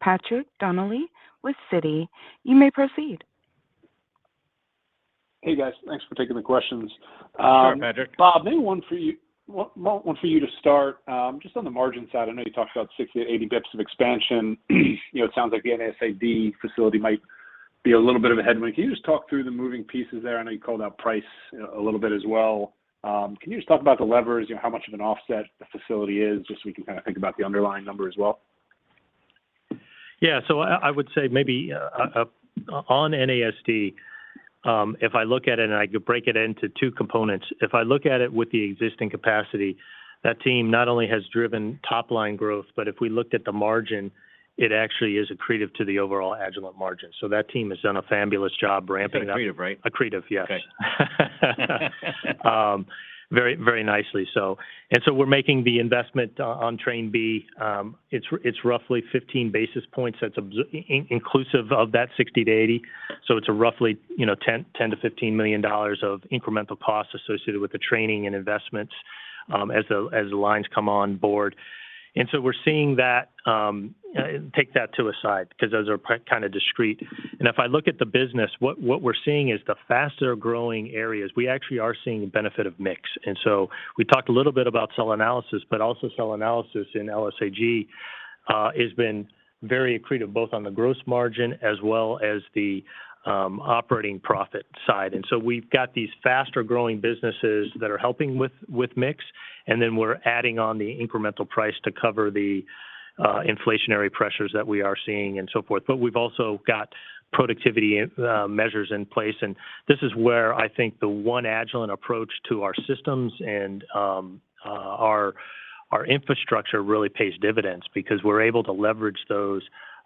Speaker 1: of Patrick Donnelly with Citi. You may proceed.
Speaker 13: Hey, guys. Thanks for taking the questions.
Speaker 3: Sure, Patrick.
Speaker 13: Bob, maybe one for you to start. Just on the margin side, I know you talked about 60-80 basis points of expansion. You know, it sounds like the NASD facility might be a little bit of a headwind. Can you just talk through the moving pieces there? I know you called out price a little bit as well. Can you just talk about the levers? You know, how much of an offset the facility is, just so we can kind of think about the underlying number as well?
Speaker 4: I would say maybe on NASD, if I look at it, and I could break it into two components. If I look at it with the existing capacity, that team not only has driven top-line growth, but if we looked at the margin, it actually is accretive to the overall Agilent margin. That team has done a fabulous job ramping up-
Speaker 13: You said accretive, right?
Speaker 4: accretive, yes.
Speaker 13: Okay.
Speaker 4: Very, very nicely. We're making the investment on Train B. It's roughly 15 basis points. That's inclusive of that 60 to 80. It's a roughly, you know, $10 million-$15 million of incremental costs associated with the training and investments, as the lines come on board. We're seeing that. Take that aside because those are kind of discrete. If I look at the business, what we're seeing is the faster-growing areas. We actually are seeing benefit of mix. We talked a little bit about Cell Analysis, but also Cell Analysis in LSAG has been very accretive both on the gross margin as well as the operating profit side. We've got these faster-growing businesses that are helping with mix, and then we're adding on the incremental price to cover the inflationary pressures that we are seeing and so forth. We've also got productivity measures in place, and this is where I think the One Agilent approach to our systems and our infrastructure really pays dividends because we're able to leverage those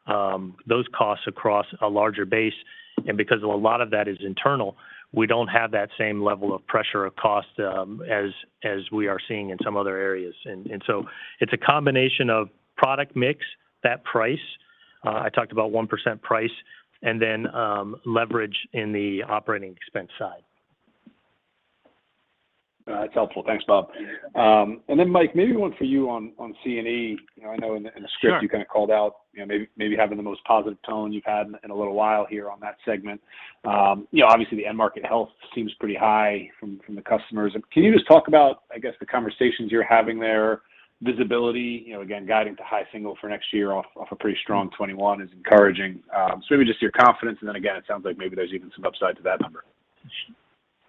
Speaker 4: costs across a larger base. Because a lot of that is internal, we don't have that same level of pressure of cost as we are seeing in some other areas. It's a combination of product mix, that price I talked about 1% price, and then leverage in the operating expense side.
Speaker 13: That's helpful. Thanks, Bob. Mike, maybe one for you on C&E. You know, I know in the script-
Speaker 3: Sure
Speaker 13: You kind of called out, you know, maybe having the most positive tone you've had in a little while here on that segment. You know, obviously the end market health seems pretty high from the customers. Can you just talk about, I guess, the conversations you're having there, visibility, you know, again, guiding to high single for next year off a pretty strong 2021 is encouraging. Maybe just your confidence, and then again, it sounds like maybe there's even some upside to that number.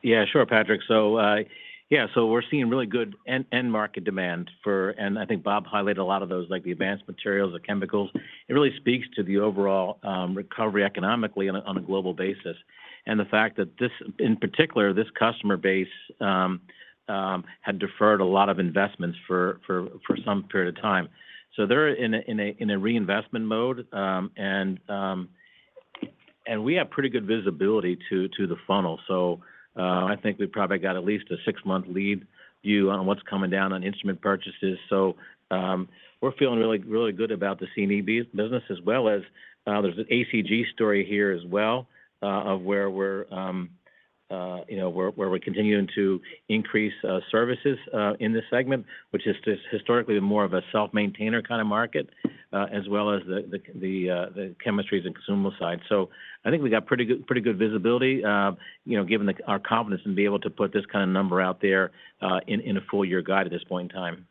Speaker 3: Yeah, sure, Patrick. We're seeing really good end market demand for. I think Bob highlighted a lot of those, like the advanced materials, the chemicals. It really speaks to the overall recovery economically on a global basis. The fact that this customer base, in particular, had deferred a lot of investments for some period of time. They're in a reinvestment mode. We have pretty good visibility to the funnel. I think we probably got at least a 6-month lead view on what's coming down on instrument purchases. We're feeling really good about the C&E business as well as there's an ACG story here as well of where we're you know where we're continuing to increase services in this segment, which is just historically more of a self-maintainer kind of market as well as the chemistries and consumable side. I think we got pretty good visibility you know given our confidence and ability to put this kind of number out there in a full-year guide at this point in time.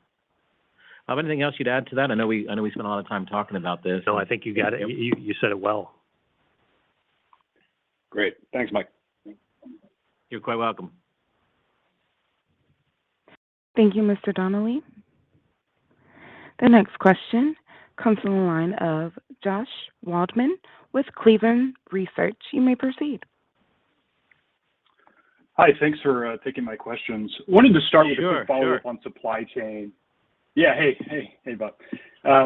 Speaker 3: Bob, anything else you'd add to that? I know we spent a lot of time talking about this.
Speaker 4: No, I think you got it. You said it well.
Speaker 13: Great. Thanks, Mike.
Speaker 3: You're quite welcome.
Speaker 1: Thank you, Mr. Donnelly. The next question comes from the line of Josh Waldman with Cleveland Research. You may proceed.
Speaker 14: Hi, thanks for taking my questions. Wanted to start.
Speaker 4: Sure. Sure
Speaker 14: Hey, Bob.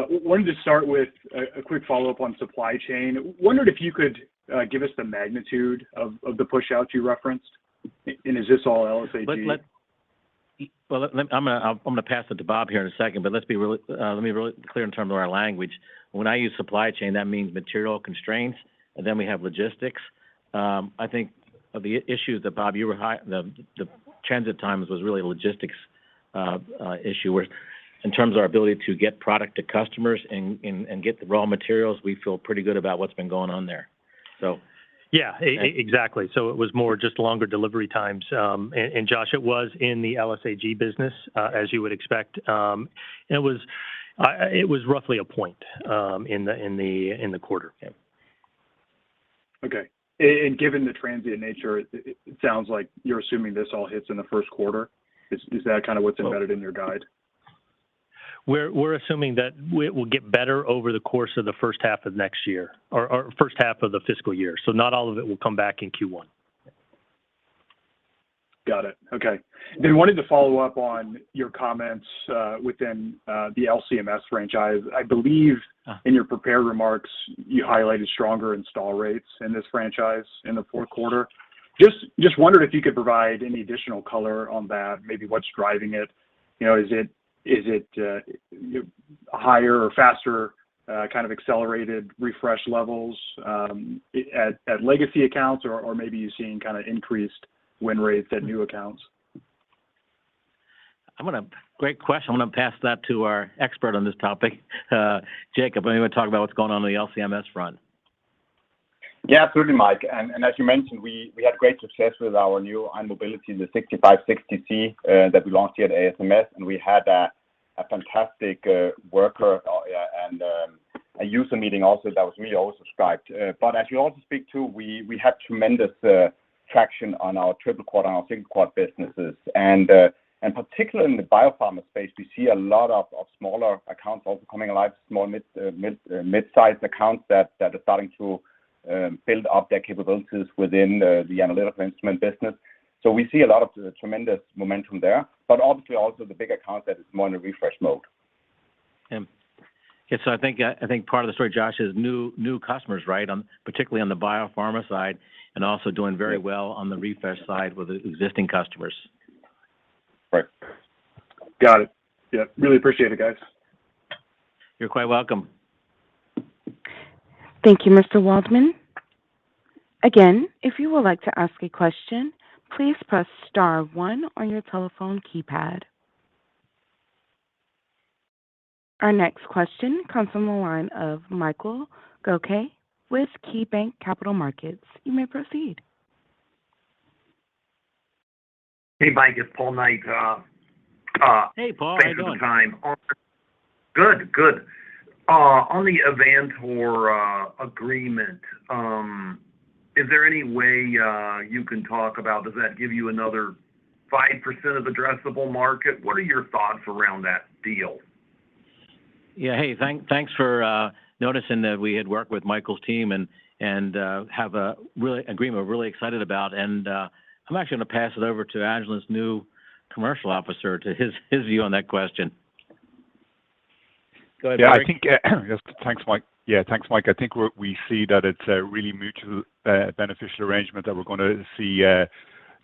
Speaker 14: Wanted to start with a quick follow-up on supply chain. Wondered if you could give us the magnitude of the push out you referenced, and is this all LSAG?
Speaker 3: I'm gonna pass it to Bob here in a second, but let's be really, let me be really clear in terms of our language. When I use supply chain, that means material constraints, and then we have logistics. I think of the issues that Bob, you were highlighting the transit times was really a logistics issue where in terms of our ability to get product to customers and get the raw materials, we feel pretty good about what's been going on there.
Speaker 4: Yeah. Exactly. It was more just longer delivery times. Josh, it was in the LSAG business, as you would expect. It was roughly a point in the quarter. Yeah.
Speaker 14: Okay. Given the transient nature, it sounds like you're assuming this all hits in the first quarter. Is that kind of what's embedded in your guide?
Speaker 4: We're assuming that it will get better over the course of the first half of next year or first half of the fiscal year, so not all of it will come back in Q1.
Speaker 14: Got it. Okay. Wanted to follow up on your comments within the LC-MS franchise. I believe.
Speaker 4: Uh-huh
Speaker 14: in your prepared remarks, you highlighted stronger install rates in this franchise in the fourth quarter. Just wondered if you could provide any additional color on that, maybe what's driving it? You know, is it higher or faster kind of accelerated refresh levels at legacy accounts? Or maybe you're seeing kinda increased win rates at new accounts.
Speaker 3: Great question. I'm gonna pass that to our expert on this topic, Jacob. I'm gonna talk about what's going on in the LC-MS front.
Speaker 12: Yeah, absolutely, Mike. As you mentioned, we had great success with our new ion mobility, the 6560C, that we launched here at ASMS, and we had a fantastic workshop and a user meeting also that was really oversubscribed. As you also speak to, we had tremendous traction on our triple quad and our single quad businesses. Particularly in the biopharma space, we see a lot of smaller accounts also coming alive, small mid-sized accounts that are starting to build up their capabilities within the analytical instrument business. We see a lot of tremendous momentum there. Obviously also the bigger concept is more in the refresh mode.
Speaker 3: I think part of the story, Josh, is new customers, right? Particularly on the biopharma side, and also doing very well on the refresh side with existing customers.
Speaker 14: Right. Got it. Yeah, really appreciate it, guys.
Speaker 3: You're quite welcome.
Speaker 1: Thank you, Mr. Waldman. Again, if you would like to ask a question, please press star one on your telephone keypad. Our next question comes from the line of Michael Ryskin with KeyBanc Capital Markets. You may proceed.
Speaker 15: Hey, Mike. It's Paul Knight.
Speaker 3: Hey, Paul. How's it going?
Speaker 15: Thanks for the time. Good. On the Avantor agreement, is there any way you can talk about does that give you another 5% of addressable market? What are your thoughts around that deal?
Speaker 3: Hey, thanks for noticing that we had worked with Michael's team and have a real agreement we're really excited about. I'm actually gonna pass it over to Agilent's new commercial officer to his view on that question. Go ahead, Padraig McDonnell.
Speaker 7: Yeah, I think, yes. Thanks, Mike. Yeah, thanks, Mike. I think we see that it's a really mutual beneficial arrangement that we're gonna see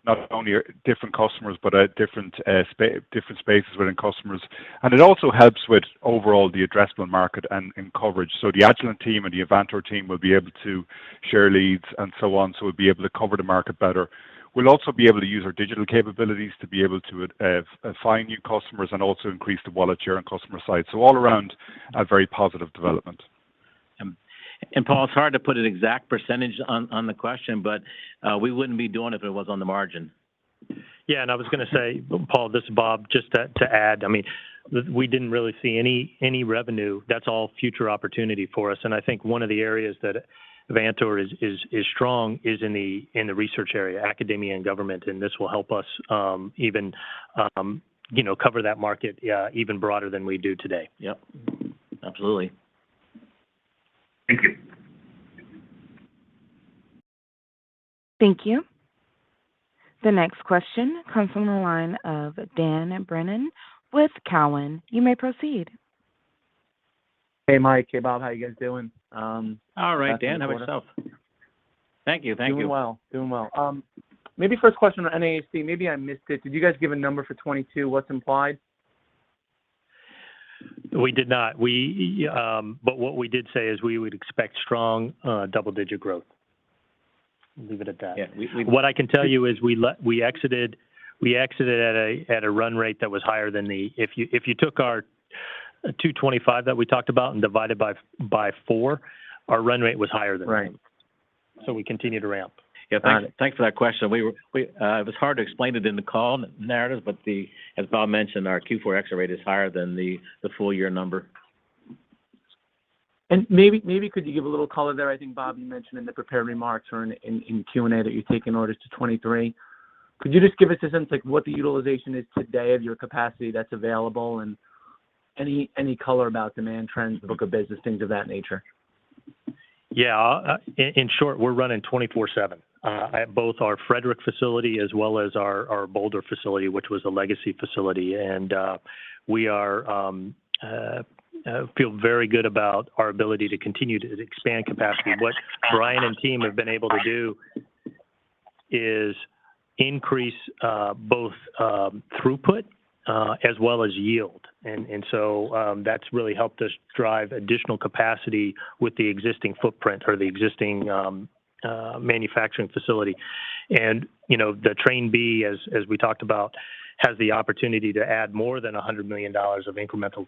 Speaker 7: not only different customers, but different spaces within customers. It also helps with overall the addressable market and coverage. The Agilent team and the Avantor team will be able to share leads and so on, so we'll be able to cover the market better. We'll also be able to use our digital capabilities to be able to find new customers and also increase the wallet share on customer sites. All around, a very positive development.
Speaker 3: Paul, it's hard to put an exact percentage on the question, but we wouldn't be doing it if it was on the margin.
Speaker 4: I was gonna say, Paul, this is Bob, just to add, I mean, we didn't really see any revenue. That's all future opportunity for us. I think one of the areas that Avantor is strong is in the research area, academia and government. This will help us, even, you know, cover that market, yeah, even broader than we do today.
Speaker 3: Yep. Absolutely.
Speaker 15: Thank you.
Speaker 1: Thank you. The next question comes from the line of Dan Brennan with Cowen. You may proceed.
Speaker 16: Hey, Mike. Hey, Bob. How you guys doing?
Speaker 3: All right, Dan. How about yourself?
Speaker 16: Nothing's going on.
Speaker 3: Thank you. Thank you.
Speaker 16: Doing well. Maybe first question on NASD. Maybe I missed it. Did you guys give a number for 2022? What's implied?
Speaker 4: We did not. What we did say is we would expect strong double-digit growth.
Speaker 3: Leave it at that.
Speaker 4: Yeah. We
Speaker 3: What I can tell you is we exited at a run rate that was higher than the. If you took our $225 that we talked about and divided by 4, our run rate was higher than that.
Speaker 16: Right.
Speaker 3: We continue to ramp.
Speaker 4: Yeah.
Speaker 3: Got it.
Speaker 4: Thanks for that question. It was hard to explain it in the call narratives, but as Bob mentioned, our Q4 exit rate is higher than the full-year number.
Speaker 16: Maybe could you give a little color there? I think, Bob, you mentioned in the prepared remarks or in Q&A that you're taking orders to 23. Could you just give us a sense, like, what the utilization is today of your capacity that's available and any color about demand trends, book of business, things of that nature?
Speaker 4: Yeah. In short, we're running 24/7 at both our Frederick facility as well as our Boulder facility, which was a legacy facility. We feel very good about our ability to continue to expand capacity. What Brian and team have been able to do is increase both throughput as well as yield. That's really helped us drive additional capacity with the existing footprint or the existing manufacturing facility. You know, the Train B, as we talked about, has the opportunity to add more than $100 million of incremental,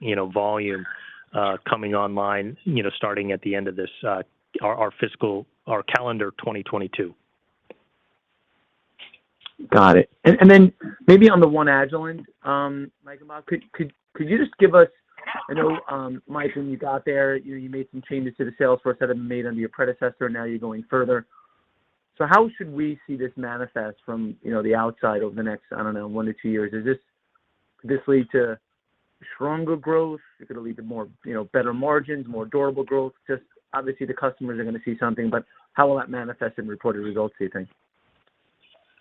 Speaker 4: you know, volume coming online, you know, starting at the end of this our calendar 2022.
Speaker 16: Got it. Then maybe on the One Agilent, Mike and Bob, could you just give us. I know, Mike, when you got there, you made some changes to the sales force that have been made under your predecessor, and now you're going further. How should we see this manifest from, you know, the outside over the next, I don't know, 1-2 years? Could this lead to stronger growth? Is it gonna lead to more, you know, better margins, more durable growth? Just obviously the customers are gonna see something, but how will that manifest in reported results do you think?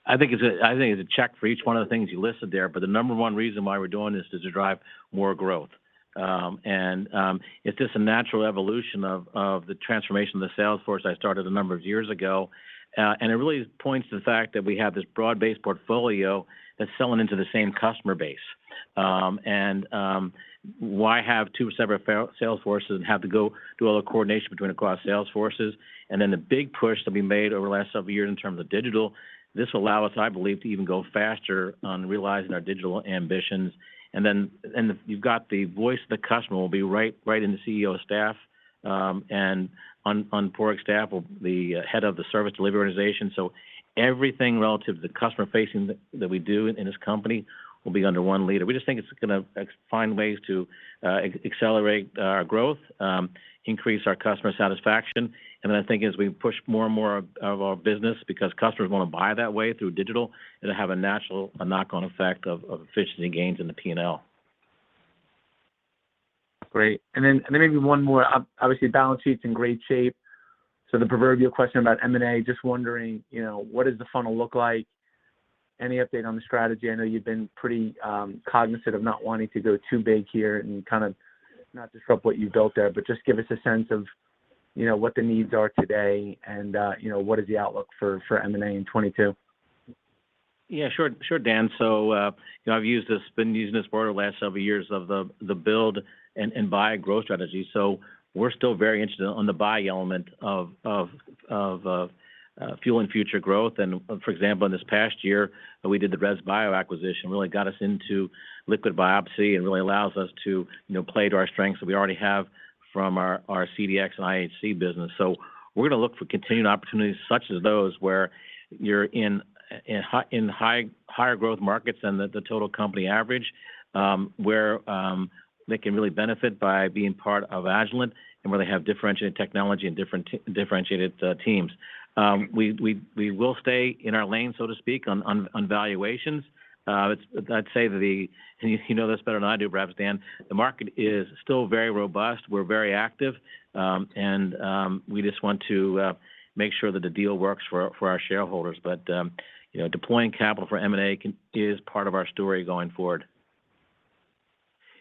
Speaker 3: I think it's a check for each one of the things you listed there, but the number one reason why we're doing this is to drive more growth. It's just a natural evolution of the transformation of the sales force I started a number of years ago. It really points to the fact that we have this broad-based portfolio that's selling into the same customer base. Why have two separate sales forces and have to go do all the coordination across sales forces? Then the big push that we made over the last several years in terms of digital, this will allow us, I believe, to even go faster on realizing our digital ambitions. You've got the voice of the customer will be right in the CEO staff, and on Padraig's staff, the head of the service delivery organization. Everything relative to the customer-facing that we do in this company will be under one leader. We just think it's gonna find ways to accelerate our growth, increase our customer satisfaction. I think as we push more and more of our business because customers want to buy that way through digital, it'll have a natural knock-on effect of efficiency gains in the P&L.
Speaker 16: Great. Maybe one more. Obviously, balance sheet's in great shape, so the proverbial question about M&A, just wondering, you know, what does the funnel look like? Any update on the strategy? I know you've been pretty cognizant of not wanting to go too big here and kind of not disrupt what you've built there, but just give us a sense of, you know, what the needs are today and, you know, what is the outlook for M&A in 2022.
Speaker 3: Yeah, sure, Dan. I've been using this for the last several years of the build and buy growth strategy. We're still very interested in the buy element of fueling future growth. For example, in this past year, we did the Resolution Bioscience acquisition, really got us into liquid biopsy and really allows us to, you know, play to our strengths that we already have from our CDx and IHC business. We're gonna look for continued opportunities such as those where you're in higher growth markets than the total company average, where they can really benefit by being part of Agilent and where they have differentiated technology and differentiated teams. We will stay in our lane, so to speak, on valuations. I'd say that you know this better than I do, perhaps, Dan. The market is still very robust. We're very active, and we just want to make sure that the deal works for our shareholders. You know, deploying capital for M&A is part of our story going forward.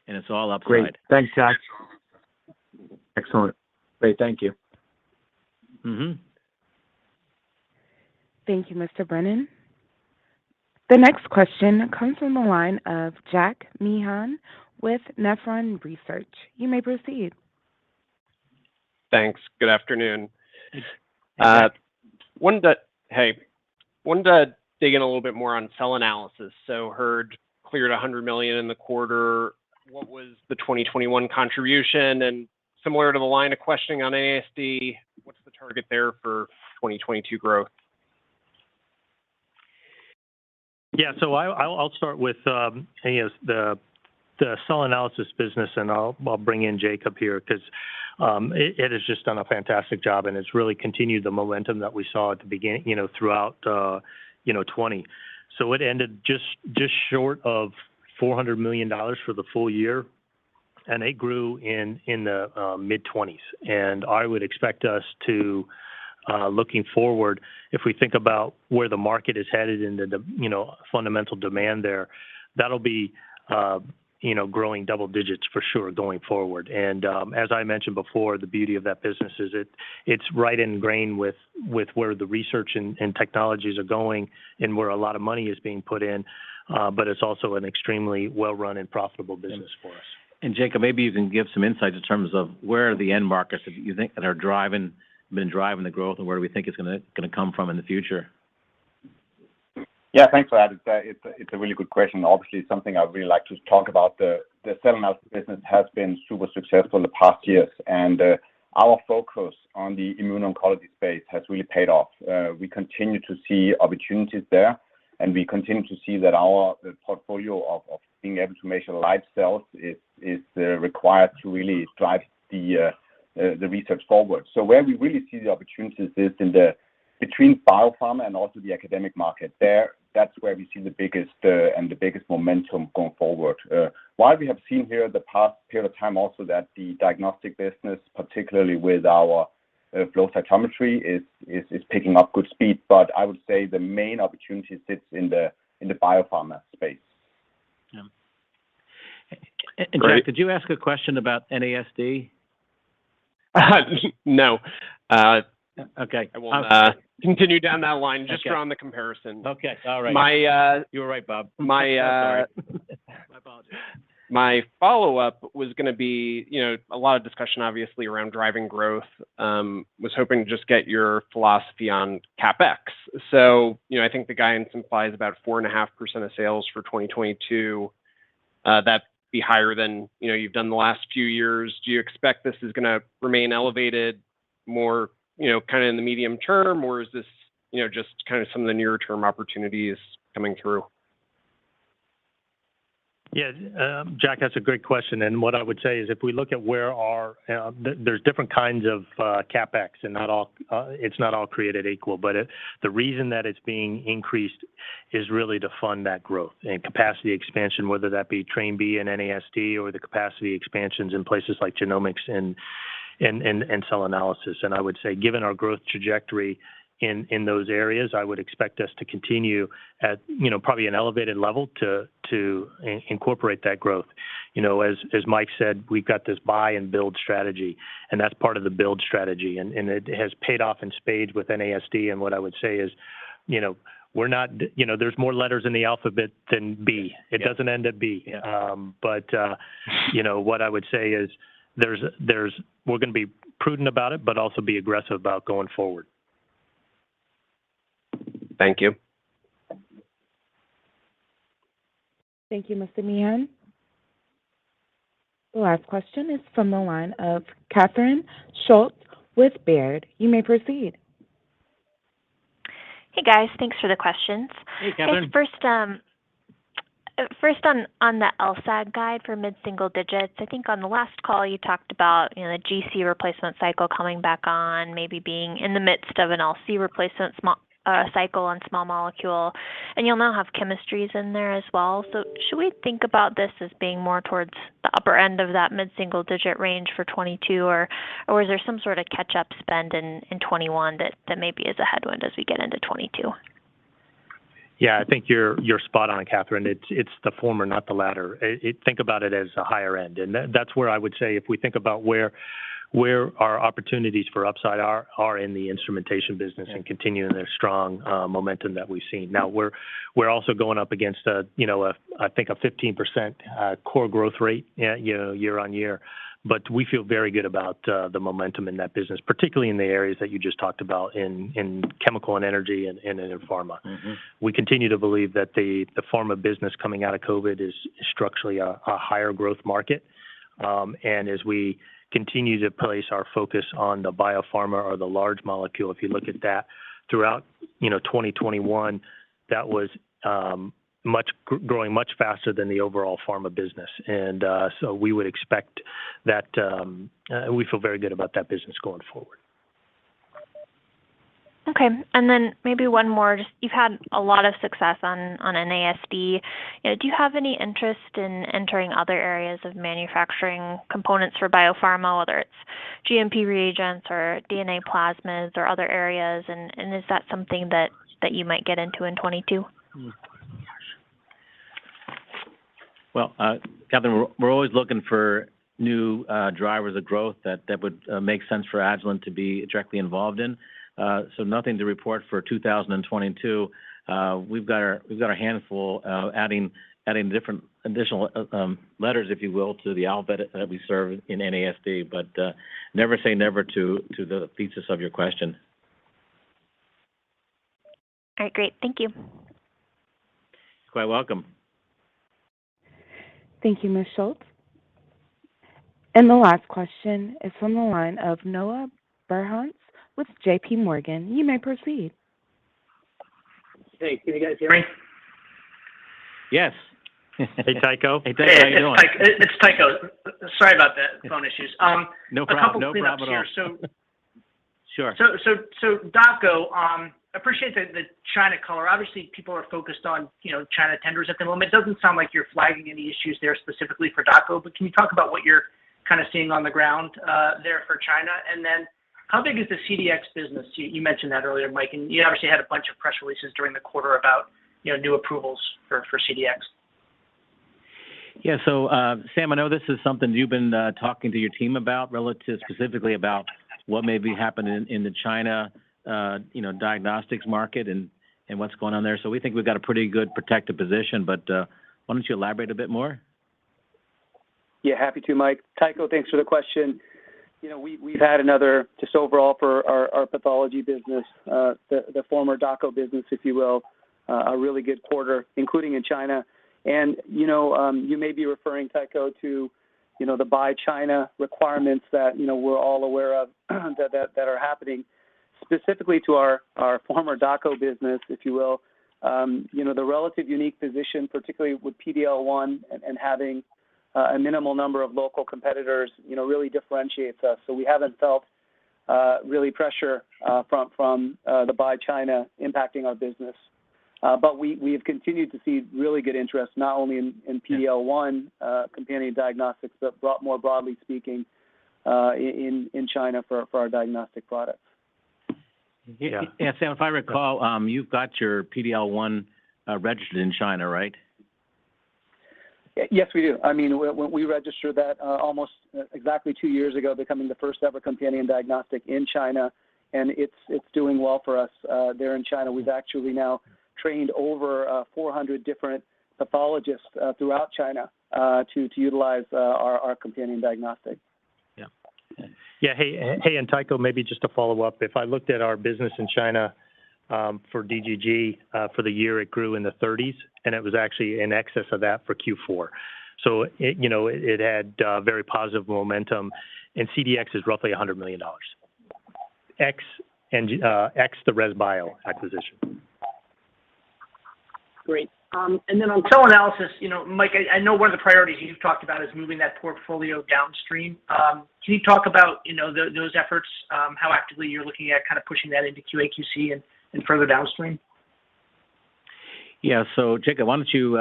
Speaker 3: It's all upside.
Speaker 16: Great. Thanks, Mike. Excellent. Great. Thank you.
Speaker 3: Mm-hmm.
Speaker 1: Thank you, Mr. Brennan. The next question comes from the line of Jack Meehan with Nephron Research. You may proceed.
Speaker 17: Thanks. Good afternoon.
Speaker 3: Hey, Mike.
Speaker 17: Wanted to dig in a little bit more on Cell Analysis. Heard it cleared $100 million in the quarter. What was the 2021 contribution? Similar to the line of questioning on NASD, what's the target there for 2022 growth?
Speaker 4: Yeah. I'll start with you know, the Cell Analysis business, and I'll bring in Jacob here because it has just done a fantastic job, and it's really continued the momentum that we saw at the beginning, you know, throughout 2020. It ended just short of $400 million for the full-year, and it grew in the mid-20s%. I would expect us to you know, looking forward, if we think about where the market is headed in the fundamental demand there, that'll be you know, growing double digits for sure going forward. as I mentioned before, the beauty of that business is it's right ingrained with where the research and technologies are going and where a lot of money is being put in, but it's also an extremely well-run and profitable business for us. Jacob, maybe you can give some insight in terms of where the end markets that you think have been driving the growth and where we think it's gonna come from in the future.
Speaker 12: Yeah. Thanks, Bob McMahon. It's a really good question. Obviously, something I really like to talk about. The Cell Analysis business has been super successful in the past years, and our focus on the immuno-oncology space has really paid off. We continue to see opportunities there, and we continue to see that our portfolio of being able to make live cells is required to really drive the research forward. Where we really see the opportunities is in between biopharma and also the academic market. That's where we see the biggest momentum going forward. While we have seen over the past period of time also that the diagnostic business, particularly with our flow cytometry is picking up good speed, but I would say the main opportunity sits in the biopharma space.
Speaker 3: Yeah.
Speaker 17: Great.
Speaker 3: Mike, did you ask a question about NASD?
Speaker 17: No.
Speaker 3: Okay. Well, I'm sorry.
Speaker 17: Continue down that line just around the comparison.
Speaker 3: Okay. All right.
Speaker 17: My, uh-
Speaker 3: You were right, Bob.
Speaker 17: My, uh
Speaker 3: I'm sorry. My apologies.
Speaker 17: My follow-up was gonna be, you know, a lot of discussion obviously around driving growth. I was hoping to just get your philosophy on CapEx. You know, I think the guidance implies about 4.5% of sales for 2022. That'd be higher than, you know, you've done the last few years. Do you expect this is gonna remain elevated more, you know, kind of in the medium term, or is this, you know, just kind of some of the near term opportunities coming through?
Speaker 3: Yeah. Mike, that's a great question. What I would say is there's different kinds of CapEx and not all is created equal, but the reason that it's being increased is really to fund that growth and capacity expansion, whether that be Train B and NASD or the capacity expansions in places like genomics and
Speaker 4: Cell Analysis. I would say given our growth trajectory in those areas, I would expect us to continue at, you know, probably an elevated level to incorporate that growth. You know, as Mike said, we've got this buy and build strategy, and that's part of the build strategy. It has paid off in spades with NASD. What I would say is, you know, we're not, you know, there's more letters in the alphabet than B.
Speaker 17: Yeah.
Speaker 4: It doesn't end at B. You know, what I would say is we're gonna be prudent about it, but also be aggressive about going forward.
Speaker 17: Thank you.
Speaker 1: Thank you, Mr. Meehan. The last question is from the line of Catherine Schulte with Baird. You may proceed.
Speaker 18: Hey, guys. Thanks for the questions.
Speaker 4: Hey, Catherine.
Speaker 18: First on the LSAG guide for mid-single digits. I think on the last call you talked about, you know, the GC replacement cycle coming back on, maybe being in the midst of an LC replacement cycle on small molecule, and you'll now have chemistries in there as well. Should we think about this as being more towards the upper end of that mid-single digit range for 2022, or is there some sort of catch-up spend in 2021 that maybe is a headwind as we get into 2022?
Speaker 4: Yeah. I think you're spot on, Catherine. It's the former, not the latter. Think about it as a higher end. That's where I would say if we think about where our opportunities for upside are in the instrumentation business.
Speaker 3: Yeah.
Speaker 4: Continuing the strong momentum that we've seen. Now, we're also going up against, you know, I think a 15% core growth rate, you know, year-over-year. But we feel very good about the momentum in that business, particularly in the areas that you just talked about in chemical and energy and in pharma.
Speaker 3: Mm-hmm.
Speaker 4: We continue to believe that the pharma business coming out of COVID is structurally a higher growth market. We continue to place our focus on the biopharma or the large molecule. If you look at that throughout 2021, you know, that was growing much faster than the overall pharma business. We would expect that. We feel very good about that business going forward.
Speaker 18: Okay. Maybe one more. Just you've had a lot of success on NASD. Do you have any interest in entering other areas of manufacturing components for biopharma, whether it's GMP reagents or DNA plasmids or other areas? Is that something that you might get into in 2022?
Speaker 3: Well, Catherine, we're always looking for new drivers of growth that would make sense for Agilent to be directly involved in. Nothing to report for 2022. We've got our handful adding different additional letters, if you will, to the alphabet that we serve in NASD. Never say never to the thesis of your question.
Speaker 18: All right. Great. Thank you.
Speaker 3: You're quite welcome.
Speaker 1: Thank you, Ms. Schulte. The last question is from the line of Tycho Peterson with J.P. Morgan. You may proceed.
Speaker 19: Hey. Can you guys hear me?
Speaker 3: Yes.
Speaker 4: Hey, Tycho.
Speaker 3: Hey, Tycho. How you doing?
Speaker 19: It's Tycho. Sorry about the phone issues.
Speaker 3: No problem. No problem at all.
Speaker 19: A couple things here.
Speaker 3: Sure.
Speaker 19: Dako, appreciate the China color. Obviously, people are focused on, you know, China tenders at the moment. Doesn't sound like you're flagging any issues there specifically for Dako, but can you talk about what you're kind of seeing on the ground there for China? And then how big is the CDx business? You mentioned that earlier, Mike, and you obviously had a bunch of press releases during the quarter about, you know, new approvals for CDx.
Speaker 3: Yeah. Sam, I know this is something you've been talking to your team about relative specifically about what may be happening in China, you know, diagnostics market and what's going on there. We think we've got a pretty good protective position, but why don't you elaborate a bit more?
Speaker 9: Yeah. Happy to, Mike. Tycho, thanks for the question. You know, we've had another just overall for our pathology business, the former Dako business, if you will, a really good quarter, including in China. You know, you may be referring, Tycho, to the buy China requirements that we're all aware of that are happening. Specifically to our former Dako business, if you will, you know, the relatively unique position, particularly with PD-L1 and having a minimal number of local competitors, you know, really differentiates us. We haven't felt real pressure from the buy China impacting our business. We have continued to see really good interest not only in PD-L1 companion diagnostics, but more broadly speaking, in China for our diagnostic products.
Speaker 3: Yeah. Sam, if I recall, you've got your PD-L1 registered in China, right?
Speaker 9: Yes, we do. I mean, when we registered that almost exactly two years ago, becoming the first ever companion diagnostic in China, and it's doing well for us there in China. We've actually now trained over 400 different pathologists throughout China to utilize our companion diagnostic.
Speaker 3: Hey, Tycho, maybe just to follow up, if I looked at our business in China for DGG for the year, it grew in the 30s, and it was actually in excess of that for Q4. It, you know, had very positive momentum, and CDx is roughly $100 million ex the Resolution Bioscience acquisition.
Speaker 9: Great. On cell analysis, you know, Mike, I know one of the priorities you've talked about is moving that portfolio downstream. Can you talk about, you know, those efforts, how actively you're looking at kind of pushing that into QA/QC and further downstream?
Speaker 4: Yeah. Jacob, why don't you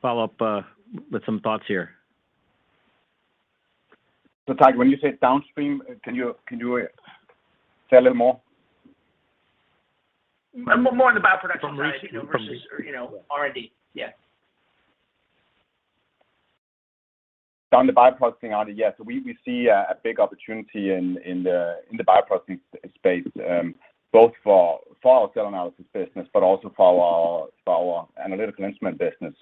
Speaker 4: follow up with some thoughts here?
Speaker 12: *audio distortion* when you say downstream, can you say a little more?
Speaker 9: More in the bioprocessing side versus, you know, R&D. Yeah.
Speaker 12: On the bioprocessing, yes, we see a big opportunity in the bioprocessing space, both for our Cell Analysis business, but also for our analytical instrument business.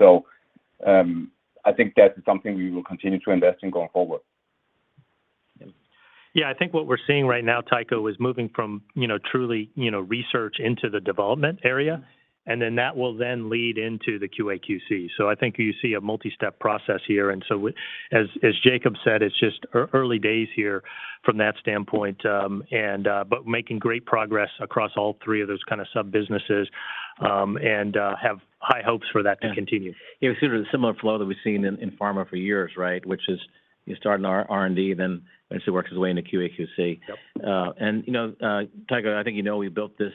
Speaker 12: I think that's something we will continue to invest in going forward.
Speaker 4: Yeah. I think what we're seeing right now, Tycho, is moving from, you know, truly, you know, research into the development area, and then that will then lead into the QA/QC. So I think you see a multi-step process here. As Jacob said, it's just early days here from that standpoint, but making great progress across all three of those kind of sub-businesses, and have high hopes for that to continue.
Speaker 3: Yeah. You know, similar to the flow that we've seen in pharma for years, right? Which is you start in R&D, then eventually works his way into QA/QC.
Speaker 4: Yep.
Speaker 3: You know, Tycho, I think, you know, we built this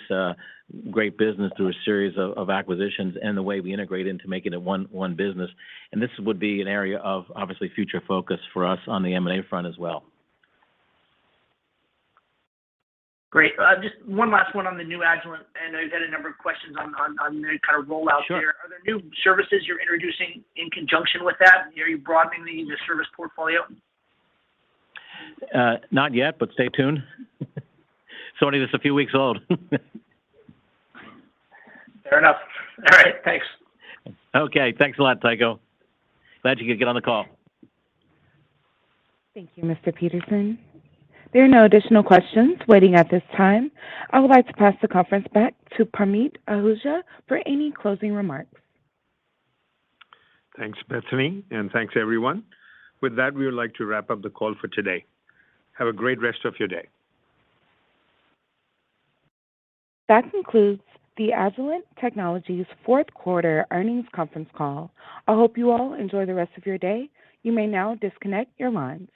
Speaker 3: great business through a series of acquisitions and the way we integrate it into making it one business. This would be an area of obviously future focus for us on the M&A front as well.
Speaker 19: Great. Just one last one on the new Agilent, and I know you've had a number of questions on the kind of rollout there.
Speaker 3: Sure.
Speaker 19: Are there new services you're introducing in conjunction with that? Are you broadening the service portfolio?
Speaker 3: Not yet, but stay tuned. Sorry, this is a few weeks old.
Speaker 19: Fair enough. All right. Thanks.
Speaker 3: Okay. Thanks a lot, Tycho. Glad you could get on the call.
Speaker 1: Thank you, Mr. Peterson. There are no additional questions waiting at this time. I would like to pass the conference back to Parmeet Ahuja for any closing remarks.
Speaker 2: Thanks, Bethany, and thanks everyone. With that, we would like to wrap up the call for today. Have a great rest of your day.
Speaker 1: That concludes the Agilent Technologies fourth quarter earnings conference call. I hope you all enjoy the rest of your day. You may now disconnect your lines.